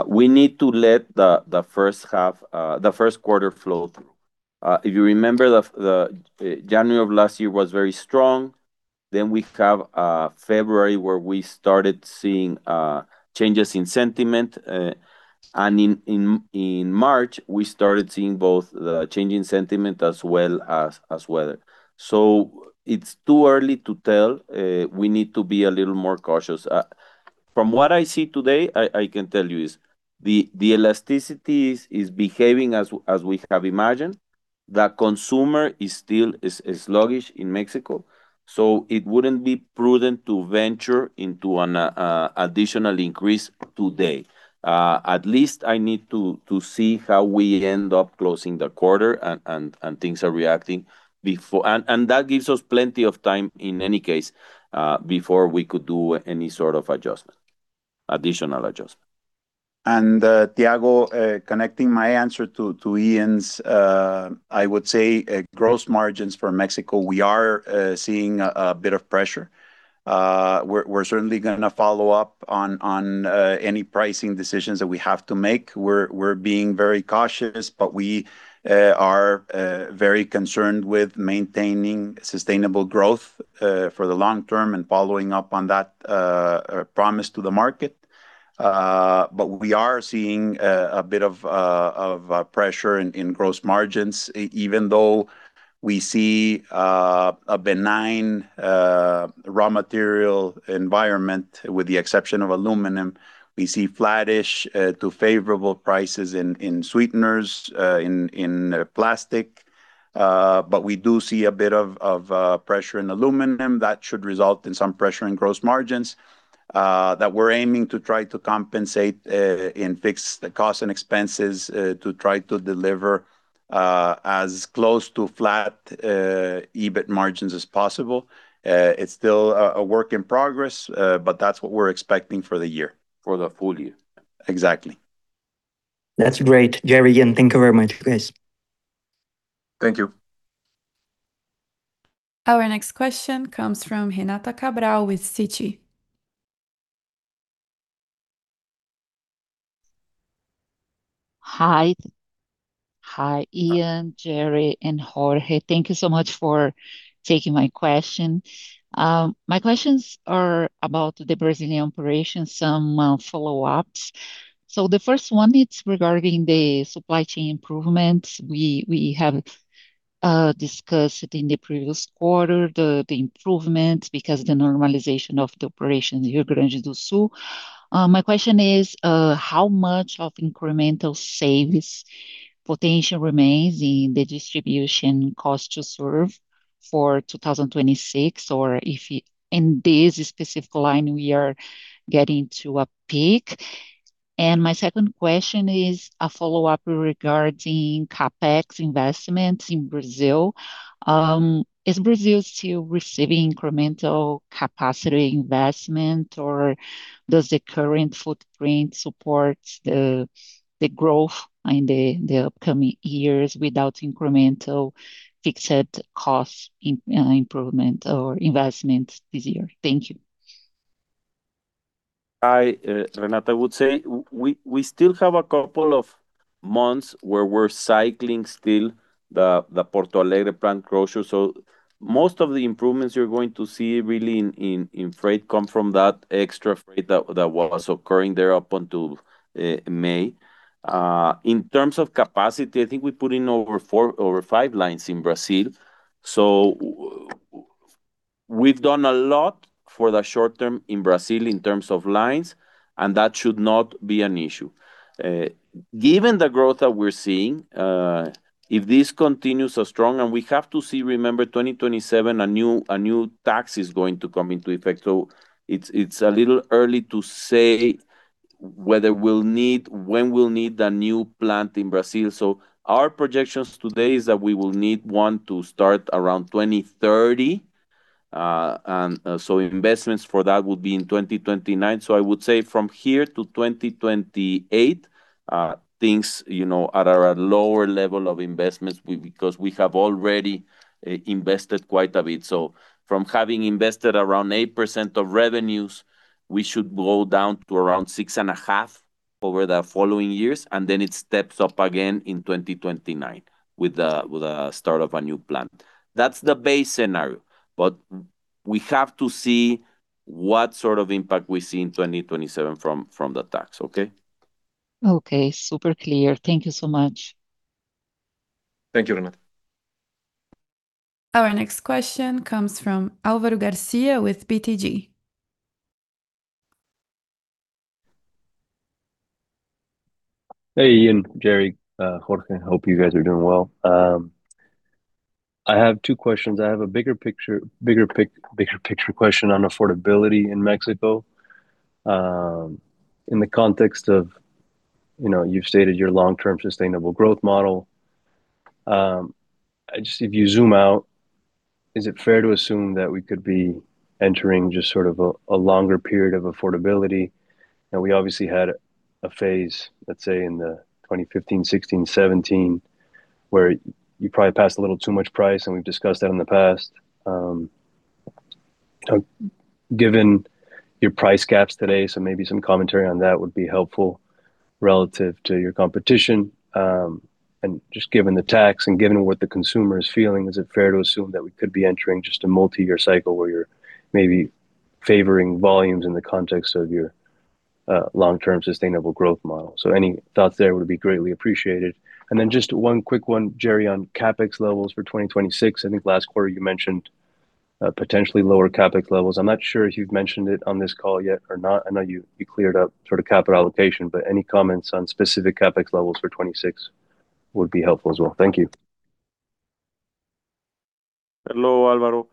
We need to let the first half, the first quarter flow through. If you remember, the January of last year was very strong. We have February, where we started seeing changes in sentiment, and in March, we started seeing both the change in sentiment as well as weather. It's too early to tell. We need to be a little more cautious. From what I see today, I can tell you is the elasticity is behaving as we have imagined. The consumer is still sluggish in Mexico, so it wouldn't be prudent to venture into an additional increase today. At least I need to see how we end up closing the quarter and things are reacting before. That gives us plenty of time, in any case, before we could do any sort of adjustment, additional adjustment. Thiago, connecting my answer to Ian's, I would say, gross margins for Mexico, we are seeing a bit of pressure. We're certainly gonna follow up on any pricing decisions that we have to make. We're being very cautious, but we are very concerned with maintaining sustainable growth for the long term and following up on that promise to the market. But we are seeing a bit of pressure in gross margins, even though we see a benign raw material environment, with the exception of aluminum. We see flattish to favorable prices in sweeteners, in plastic, but we do see a bit of pressure in aluminum that should result in some pressure in gross margins that we're aiming to try to compensate in fixed costs and expenses to try to deliver as close to flat EBIT margins as possible. It's still a work in progress, but that's what we're expecting for the year. For the full year? Exactly. That's great, Gerardo. Thank you very much, you guys. Thank you. Our next question comes from Renata Cabral with Citi. Hi. Hi, Ian, Gerardo, and Jorge. Thank you so much for taking my question. My questions are about the Brazilian operation, some follow-ups. The first one, it's regarding the supply chain improvements. We have discussed it in the previous quarter, the improvements, because the normalization of the operations here in Rio Grande do Sul. My question is, how much of incremental savings potential remains in the distribution cost to serve for 2026, or if in this specific line we are getting to a peak? My second question is a follow-up regarding CapEx investments in Brazil. Is Brazil still receiving incremental capacity investment, or does the current footprint support the growth in the upcoming years without incremental fixed cost improvement or investment this year? Thank you. Hi, Renata. I would say we still have a couple of months where we're cycling still the Porto Alegre plant closure. Most of the improvements you're going to see really in freight come from that extra freight that was occurring there up until May. In terms of capacity, I think we put in over five lines in Brazil. We've done a lot for the short term in Brazil in terms of lines, and that should not be an issue. Given the growth that we're seeing, if this continues so strong. We have to see, remember, 2027, a new tax is going to come into effect. It's a little early to say whether we'll need when we'll need a new plant in Brazil. Our projections today is that we will need one to start around 2030. Investments for that would be in 2029. I would say from here to 2028, things, you know, are at lower level of investments because we have already invested quite a bit. From having invested around 8% of revenues, we should go down to around 6.5% over the following years, and then it steps up again in 2029 with the start of a new plant. That's the base scenario, but we have to see what sort of impact we see in 2027 from the tax. Okay? Okay. Super clear. Thank you so much. Thank you, Renata. Our next question comes from Alvaro Garcia with BTG. Hey, Ian, Gerardo, Jorge, I hope you guys are doing well. I have two questions. I have a bigger picture question on affordability in Mexico. In the context of, you know, you've stated your long-term sustainable growth model. If you zoom out, is it fair to assume that we could be entering just sort of a longer period of affordability? We obviously had a phase, let's say, in the 2015, 2016, 2017, where you probably passed a little too much price, and we've discussed that in the past. Given your price caps today, so maybe some commentary on that would be helpful relative to your competition, and just given the tax and given what the consumer is feeling, is it fair to assume that we could be entering just a multi-year cycle where you're maybe favoring volumes in the context of your long-term sustainable growth model? Any thoughts there would be greatly appreciated. Then just one quick one, Gerardo, on CapEx levels for 2026. I think last quarter you mentioned potentially lower CapEx levels. I'm not sure if you've mentioned it on this call yet or not. I know you cleared up sort of capital allocation, but any comments on specific CapEx levels for 2026 would be helpful as well. Thank you. Hello, Alvaro.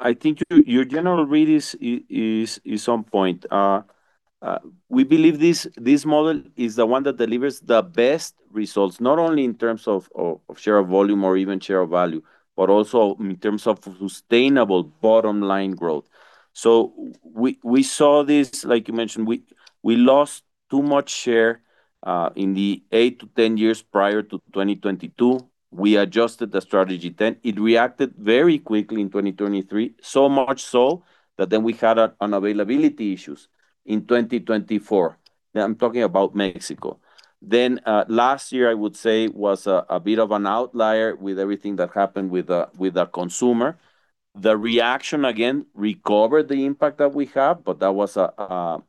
I think your general read is on point. We believe this model is the one that delivers the best results, not only in terms of share of volume or even share of value, but also in terms of sustainable bottom line growth. We saw this, like you mentioned, we lost too much share in the eight to 10 years prior to 2022. We adjusted the strategy, it reacted very quickly in 2023, so much so that we had an availability issues in 2024. Now I'm talking about Mexico. Last year, I would say, was a bit of an outlier with everything that happened with the consumer. The reaction again recovered the impact that we had, but that was a,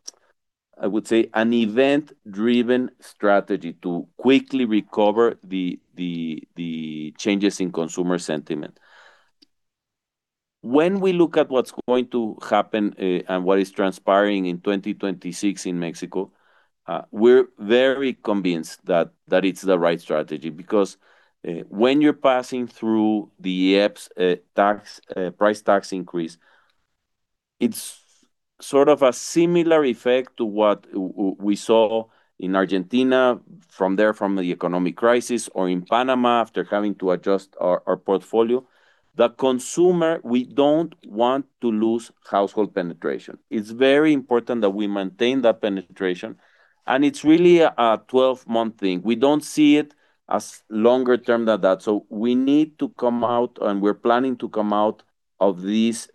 I would say, an event-driven strategy to quickly recover the changes in consumer sentiment. When we look at what's going to happen, and what is transpiring in 2026 in Mexico, we're very convinced that it's the right strategy. Because, when you're passing through the IEPS tax, price tax increase, it's sort of a similar effect to what we saw in Argentina, from there, from the economic crisis, or in Panama after having to adjust our portfolio. The consumer, we don't want to lose household penetration. It's very important that we maintain that penetration, and it's really a 12-month thing. We don't see it as longer term than that, we need to come out, and we're planning to come out of this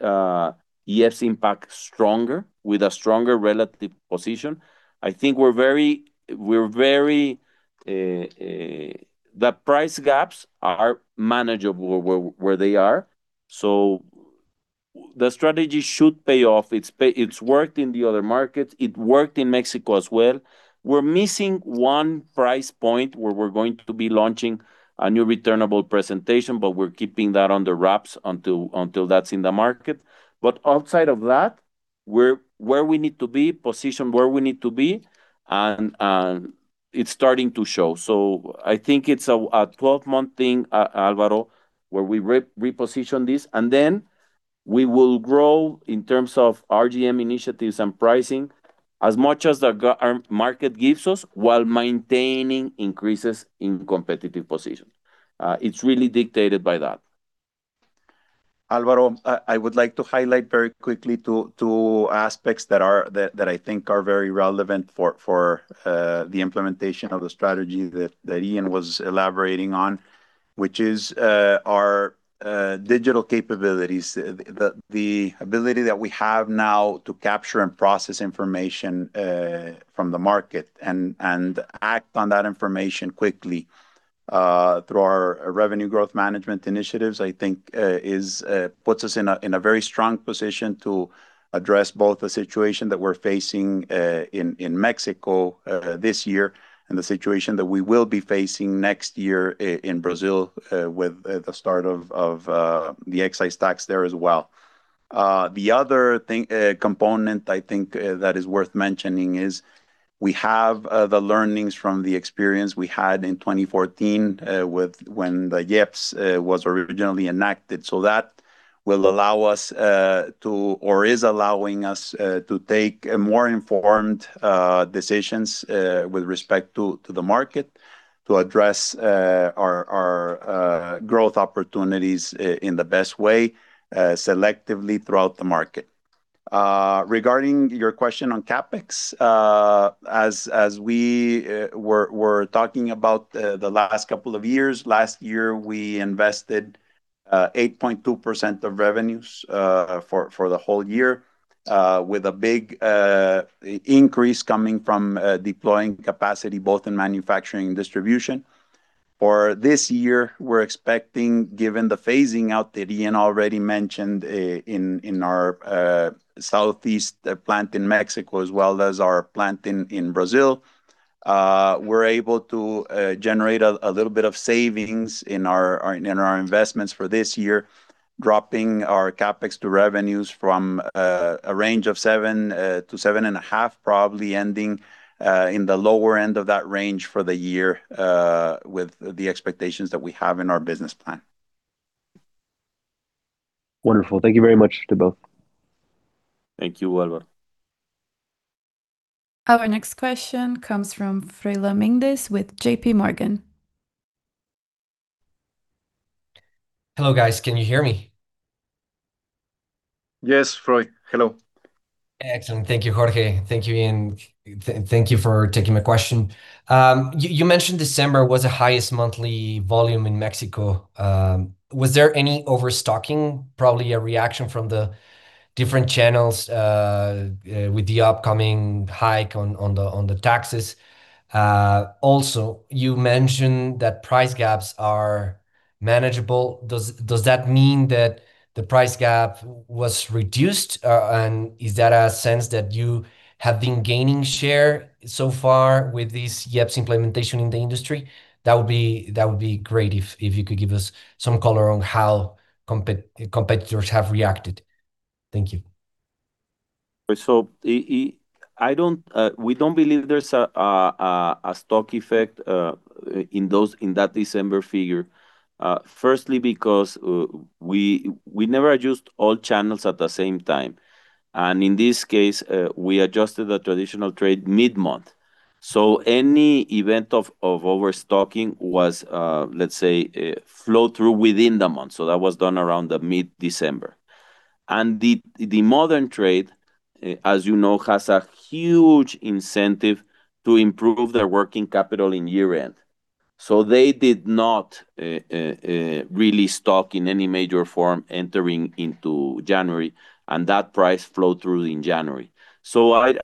IEPS impact stronger, with a stronger relative position. I think we're very, the price gaps are manageable where they are, the strategy should pay off. It's worked in the other markets, it worked in Mexico as well. We're missing 1 price point where we're going to be launching a new returnable presentation, we're keeping that under wraps until that's in the market. Outside of that, we're where we need to be, positioned where we need to be, and it's starting to show. I think it's a 12-month thing, Alvaro, where we reposition this. We will grow in terms of RGM initiatives and pricing as much as our market gives us, while maintaining increases in competitive position. It's really dictated by that. Alvaro, I would like to highlight very quickly two aspects that I think are very relevant for the implementation of the strategy that Ian was elaborating on, which is our digital capabilities. The ability that we have now to capture and process information from the market and act on that information quickly through our revenue growth management initiatives, I think is puts us in a very strong position to address both the situation that we're facing in Mexico this year, and the situation that we will be facing next year in Brazil with the start of the excise tax there as well. The other thing, component I think, that is worth mentioning is we have the learnings from the experience we had in 2014, with when the IEPS was originally enacted. That will allow us to or is allowing us to take more informed decisions with respect to the market, to address our growth opportunities in the best way selectively throughout the market. Regarding your question on CapEx, as we were talking about the last couple of years, last year we invested 8.2% of revenues for the whole year, with a big increase coming from deploying capacity, both in manufacturing and distribution. For this year, we're expecting, given the phasing out that Ian already mentioned, in our southeast plant in Mexico, as well as our plant in Brazil, we're able to generate a little bit of savings in our investments for this year, dropping our CapEx to revenues from a range of 7% to 7.5%, probably ending in the lower end of that range for the year, with the expectations that we have in our business plan. Wonderful. Thank you very much to both. Thank you, Alvaro. Our next question comes from Froylan Mendes with JPMorgan Chase & Co. Hello, guys. Can you hear me? Yes, Froy. Hello. Excellent. Thank you, Jorge. Thank you, Ian. Thank you for taking my question. You mentioned December was the highest monthly volume in Mexico. Was there any overstocking, probably a reaction from the different channels, with the upcoming hike on the taxes? Also, you mentioned that price gaps are manageable. Does that mean that the price gap was reduced? Is that a sense that you have been gaining share so far with this IEPS implementation in the industry? That would be great if you could give us some color on how competitors have reacted. Thank you. We don't believe there's a stock effect in those, in that December figure, firstly because we never adjusted all channels at the same time, and in this case, we adjusted the traditional trade mid-month. Any event of overstocking was, let's say, flow through within the month. That was done around the mid-December. The modern trade, as you know, has a huge incentive to improve their working capital in year-end. They did not really stock in any major form entering into January, and that price flowed through in January.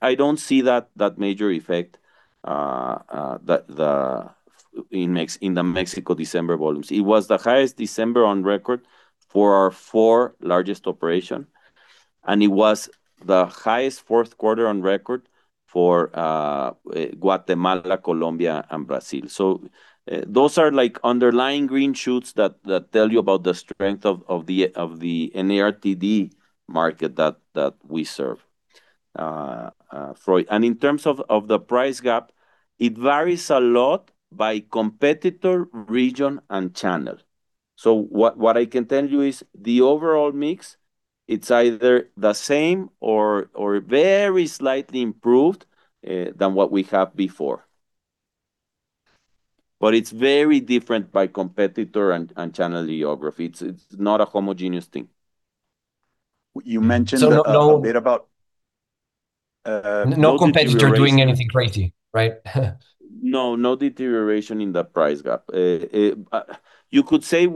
I don't see that major effect in the Mexico December volumes. It was the highest December on record for our four largest operation, and it was the highest fourth quarter on record for Guatemala, Colombia and Brazil. Those are like underlying green shoots that tell you about the strength of the NARTD market that we serve. Froy, in terms of the price gap, it varies a lot by competitor, region and channel. What I can tell you is the overall mix, it's either the same or very slightly improved than what we had before. It's very different by competitor and channel geography. It's not a homogeneous thing. You mentioned a bit about, no deterioration. No competitor doing anything crazy, right? No, no deterioration in the price gap. You could say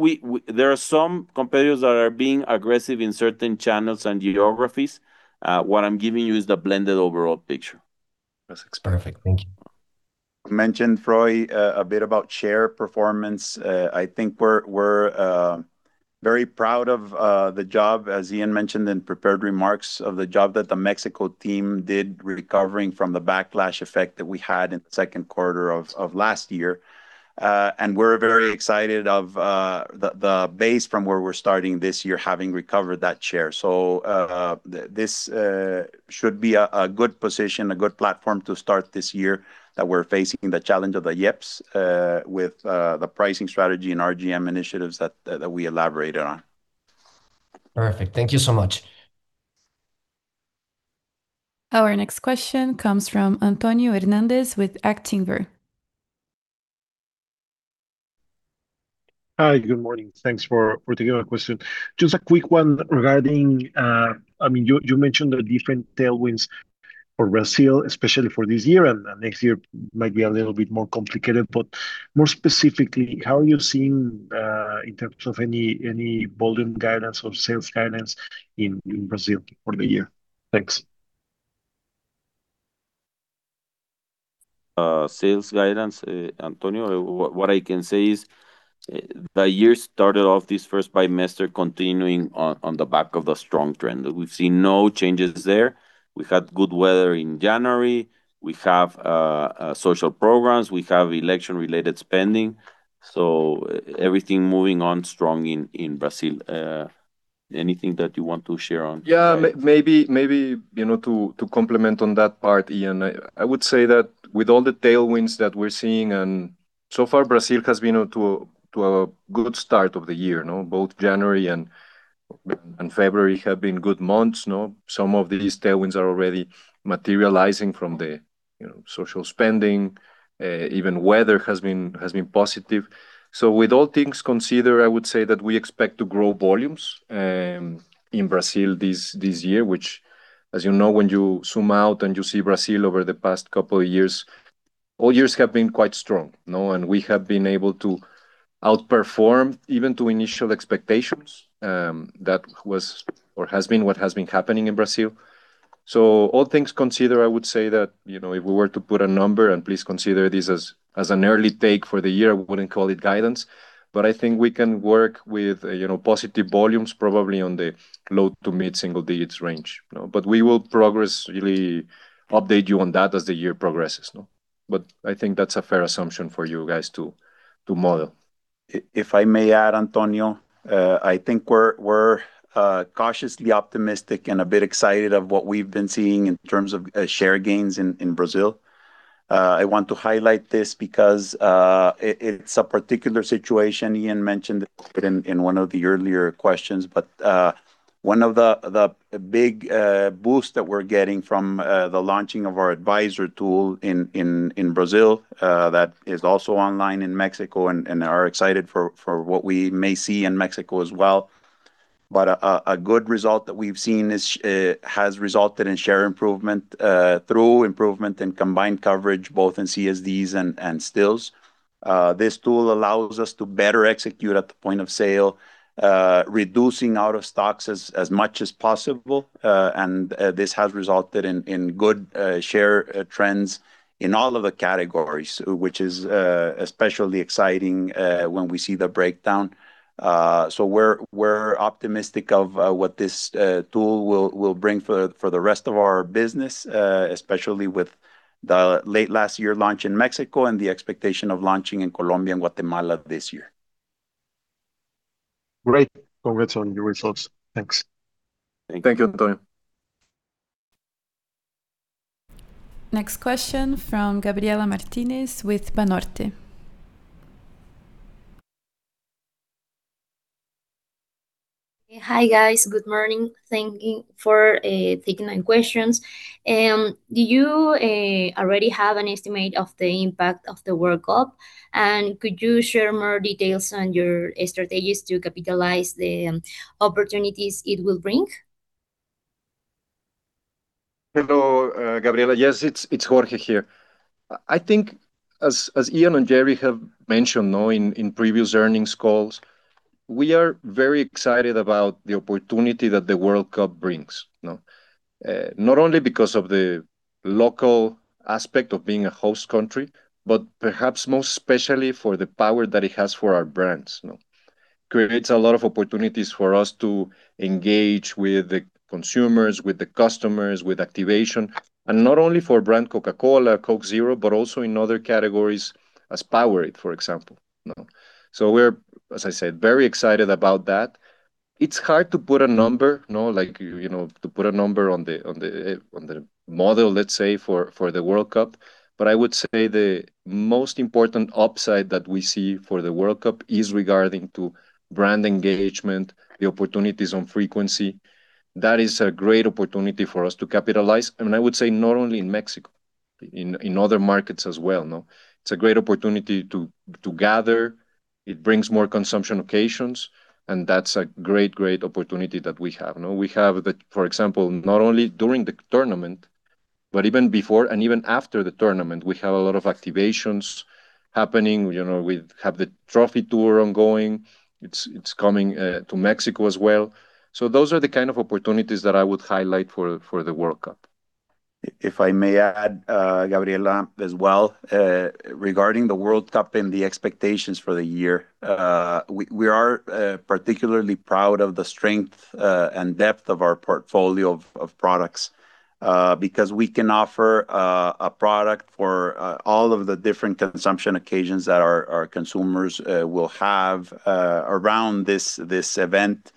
there are some competitors that are being aggressive in certain channels and geographies. What I'm giving you is the blended overall picture. That's perfect. Thank you. You mentioned, Froy, a bit about share performance. I think we're very proud of the job, as Ian mentioned in prepared remarks, of the job that the Mexico team did recovering from the backlash effect that we had in the second quarter of last year. We're very excited of the base from where we're starting this year, having recovered that share. This should be a good position, a good platform to start this year, that we're facing the challenge of the IEPS, with the pricing strategy and RGM initiatives that we elaborated on. Perfect. Thank you so much. Our next question comes from Antonio Hernández with Actinver. Hi, good morning. Thanks for taking my question. Just a quick one regarding, I mean, you mentioned the different tailwinds for Brazil, especially for this year, and next year might be a little bit more complicated, but more specifically, how are you seeing in terms of any volume guidance or sales guidance in Brazil for the year? Thanks. Sales guidance, Antonio, what I can say is, the year started off this first semester continuing on the back of a strong trend. We've seen no changes there. We had good weather in January. We have social programs, we have election-related spending, so everything moving on strong in Brazil. Anything that you want to share on guidance? Yeah, maybe, you know, to complement on that part, Ian, I would say that with all the tailwinds that we're seeing, so far, Brazil has been, you know, to a good start of the year, you know. Both January and February have been good months. Now, some of these tailwinds are already materializing from the, you know, social spending. Even weather has been positive. With all things considered, I would say that we expect to grow volumes in Brazil this year, which, as you know, when you zoom out and you see Brazil over the past couple of years, all years have been quite strong. You know, we have been able to outperform even to initial expectations, that was or has been what has been happening in Brazil. All things considered, I would say that, you know, if we were to put a number, and please consider this as an early take for the year, we wouldn't call it guidance, but I think we can work with, you know, positive volumes, probably on the low to mid-single digits range. You know, we will progressively update you on that as the year progresses. No, I think that's a fair assumption for you guys to model. If I may add, Antonio, I think we're cautiously optimistic and a bit excited of what we've been seeing in terms of share gains in Brazil. I want to highlight this because it's a particular situation Ian mentioned it in one of the earlier questions, but one of the big boosts that we're getting from the launching of our Advisor tool in Brazil that is also online in Mexico, and are excited for what we may see in Mexico as well. A good result that we've seen is has resulted in share improvement through improvement in combined coverage both in CSDs and stills. This tool allows us to better execute at the point of sale, reducing out-of-stocks as much as possible, and this has resulted in good share trends in all of the categories, which is especially exciting when we see the breakdown. We're optimistic of what this tool will bring for the rest of our business, especially with the late last year launch in Mexico and the expectation of launching in Colombia and Guatemala this year. Great. Congrats on your results. Thanks. Thank you, Antonio. Next question from Gabriela Martinez with Banorte. Hi, guys. Good morning. Thank you for taking my questions. Do you already have an estimate of the impact of the World Cup? Could you share more details on your strategies to capitalize the opportunities it will bring? Hello, Gabriela. Yes, it's Jorge here. I think as Ian and Gerardo have mentioned, you know, in previous earnings calls, we are very excited about the opportunity that the World Cup brings, you know. Not only because of the local aspect of being a host country, but perhaps most especially for the power that it has for our brands, you know. Creates a lot of opportunities for us to engage with the consumers, with the customers, with activation, and not only for brand Coca-Cola, Coke Zero, but also in other categories as Powerade, for example, you know. We're, as I said, very excited about that. It's hard to put a number, you know, like, you know, to put a number on the model, let's say, for the World Cup. I would say the most important upside that we see for the World Cup is regarding to brand engagement, the opportunities on frequency. That is a great opportunity for us to capitalize, and I would say not only in Mexico, in other markets as well, you know. It's a great opportunity to gather. It brings more consumption occasions, and that's a great opportunity that we have, you know. For example, not only during the tournament, but even before and even after the tournament, we have a lot of activations happening. You know, we have the trophy tour ongoing. It's coming to Mexico as well. Those are the kind of opportunities that I would highlight for the World Cup. If I may add, Gabriela, as well, regarding the FIFA World Cup and the expectations for the year, we are particularly proud of the strength and depth of our portfolio of products, because we can offer a product for all of the different consumption occasions that our consumers will have around this event,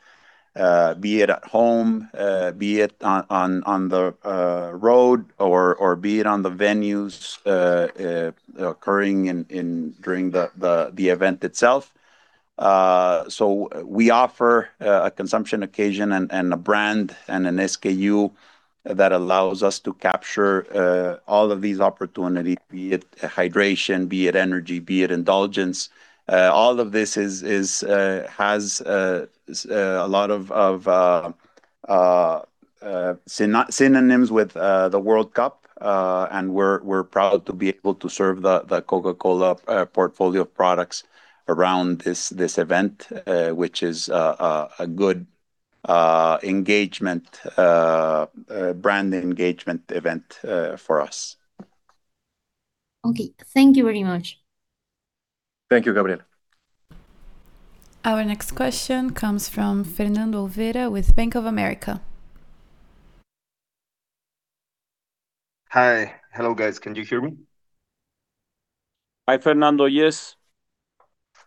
be it at home, be it on the road, or be it on the venues occurring during the event itself. So we offer a consumption occasion and a brand, and an SKU that allows us to capture all of these opportunities, be it hydration, be it energy, be it indulgence. All of this is has a lot of synonyms with the World Cup. We're proud to be able to serve the Coca-Cola portfolio of products around this event, which is a good engagement brand engagement event for us. Okay. Thank you very much. Thank you, Gabriela. Our next question comes from Fernando Olvera with Bank of America. Hi. Hello, guys. Can you hear me? Hi, Fernando. Yes.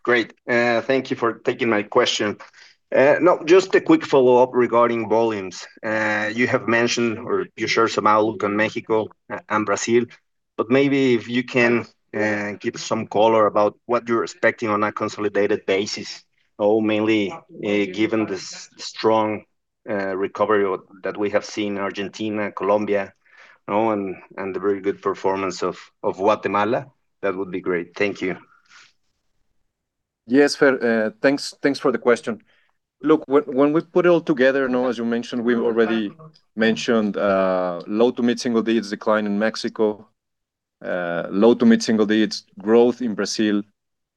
Great, thank you for taking my question. Just a quick follow-up regarding volumes. You have mentioned, or you shared some outlook on Mexico and Brazil, maybe if you can give some color about what you're expecting on a consolidated basis. Mainly, given the strong recovery that we have seen in Argentina, Colombia, you know, and the very good performance of Guatemala, that would be great. Thank you. Yes, Fernando, thanks for the question. Look, when we put it all together, you know, as you mentioned, we've already mentioned, low to mid single digits decline in Mexico, low to mid single digits growth in Brazil,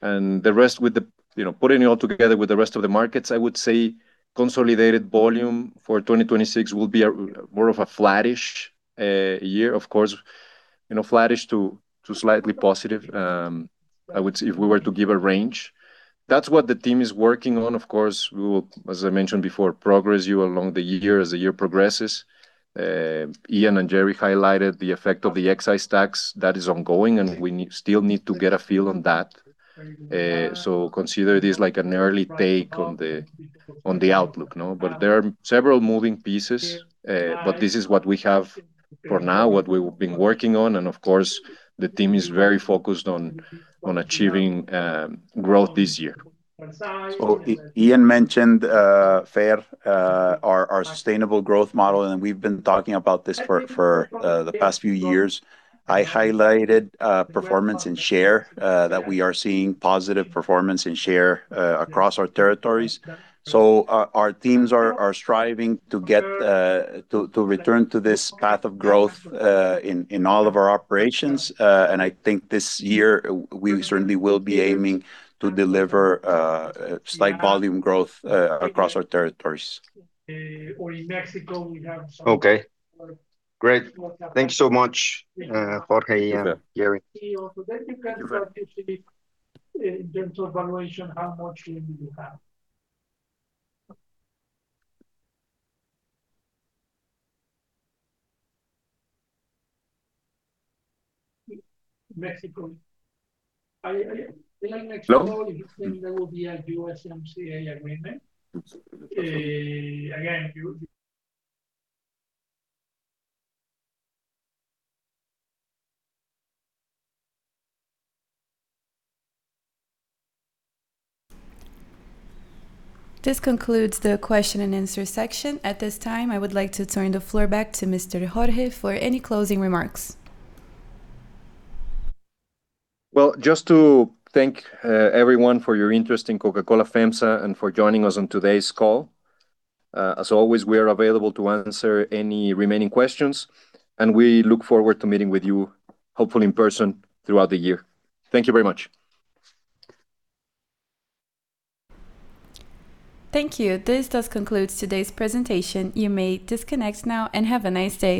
and the rest with the, you know, putting it all together with the rest of the markets, I would say consolidated volume for 2026 will be a more of a flattish year. Of course, you know, flattish to slightly positive, I would say, if we were to give a range. That's what the team is working on. Of course, we will, as I mentioned before, progress you along the year, as the year progresses. Ian and Gerardo highlighted the effect of the excise tax that is ongoing, and we still need to get a feel on that. Consider this like an early take on the outlook, you know. There are several moving pieces, but this is what we have for now, what we've been working on, and you know, of course, the team is very focused on achieving growth this year. Ian mentioned Fair, our sustainable growth model, and we've been talking about this for the past few years. I highlighted performance and share that we are seeing positive performance and share across our territories. Our teams are striving to get to return to this path of growth in all of our operations. I think this year we certainly will be aiming to deliver a slight volume growth across our territories. Or in Mexico, we have. Okay, great. Thanks so much, Jorge and Gerardo. You can start to see, in terms of valuation, how much room do you have? Mexico. Hello? I go, SMC, I agree. Again. This concludes the question and answer section. At this time, I would like to turn the floor back to Mr. Jorge for any closing remarks. Well, just to thank everyone for your interest in Coca-Cola FEMSA and for joining us on today's call. As always, we are available to answer any remaining questions, and we look forward to meeting with you, hopefully in person, throughout the year. Thank you very much. Thank you. This does conclude today's presentation. You may disconnect now, and have a nice day.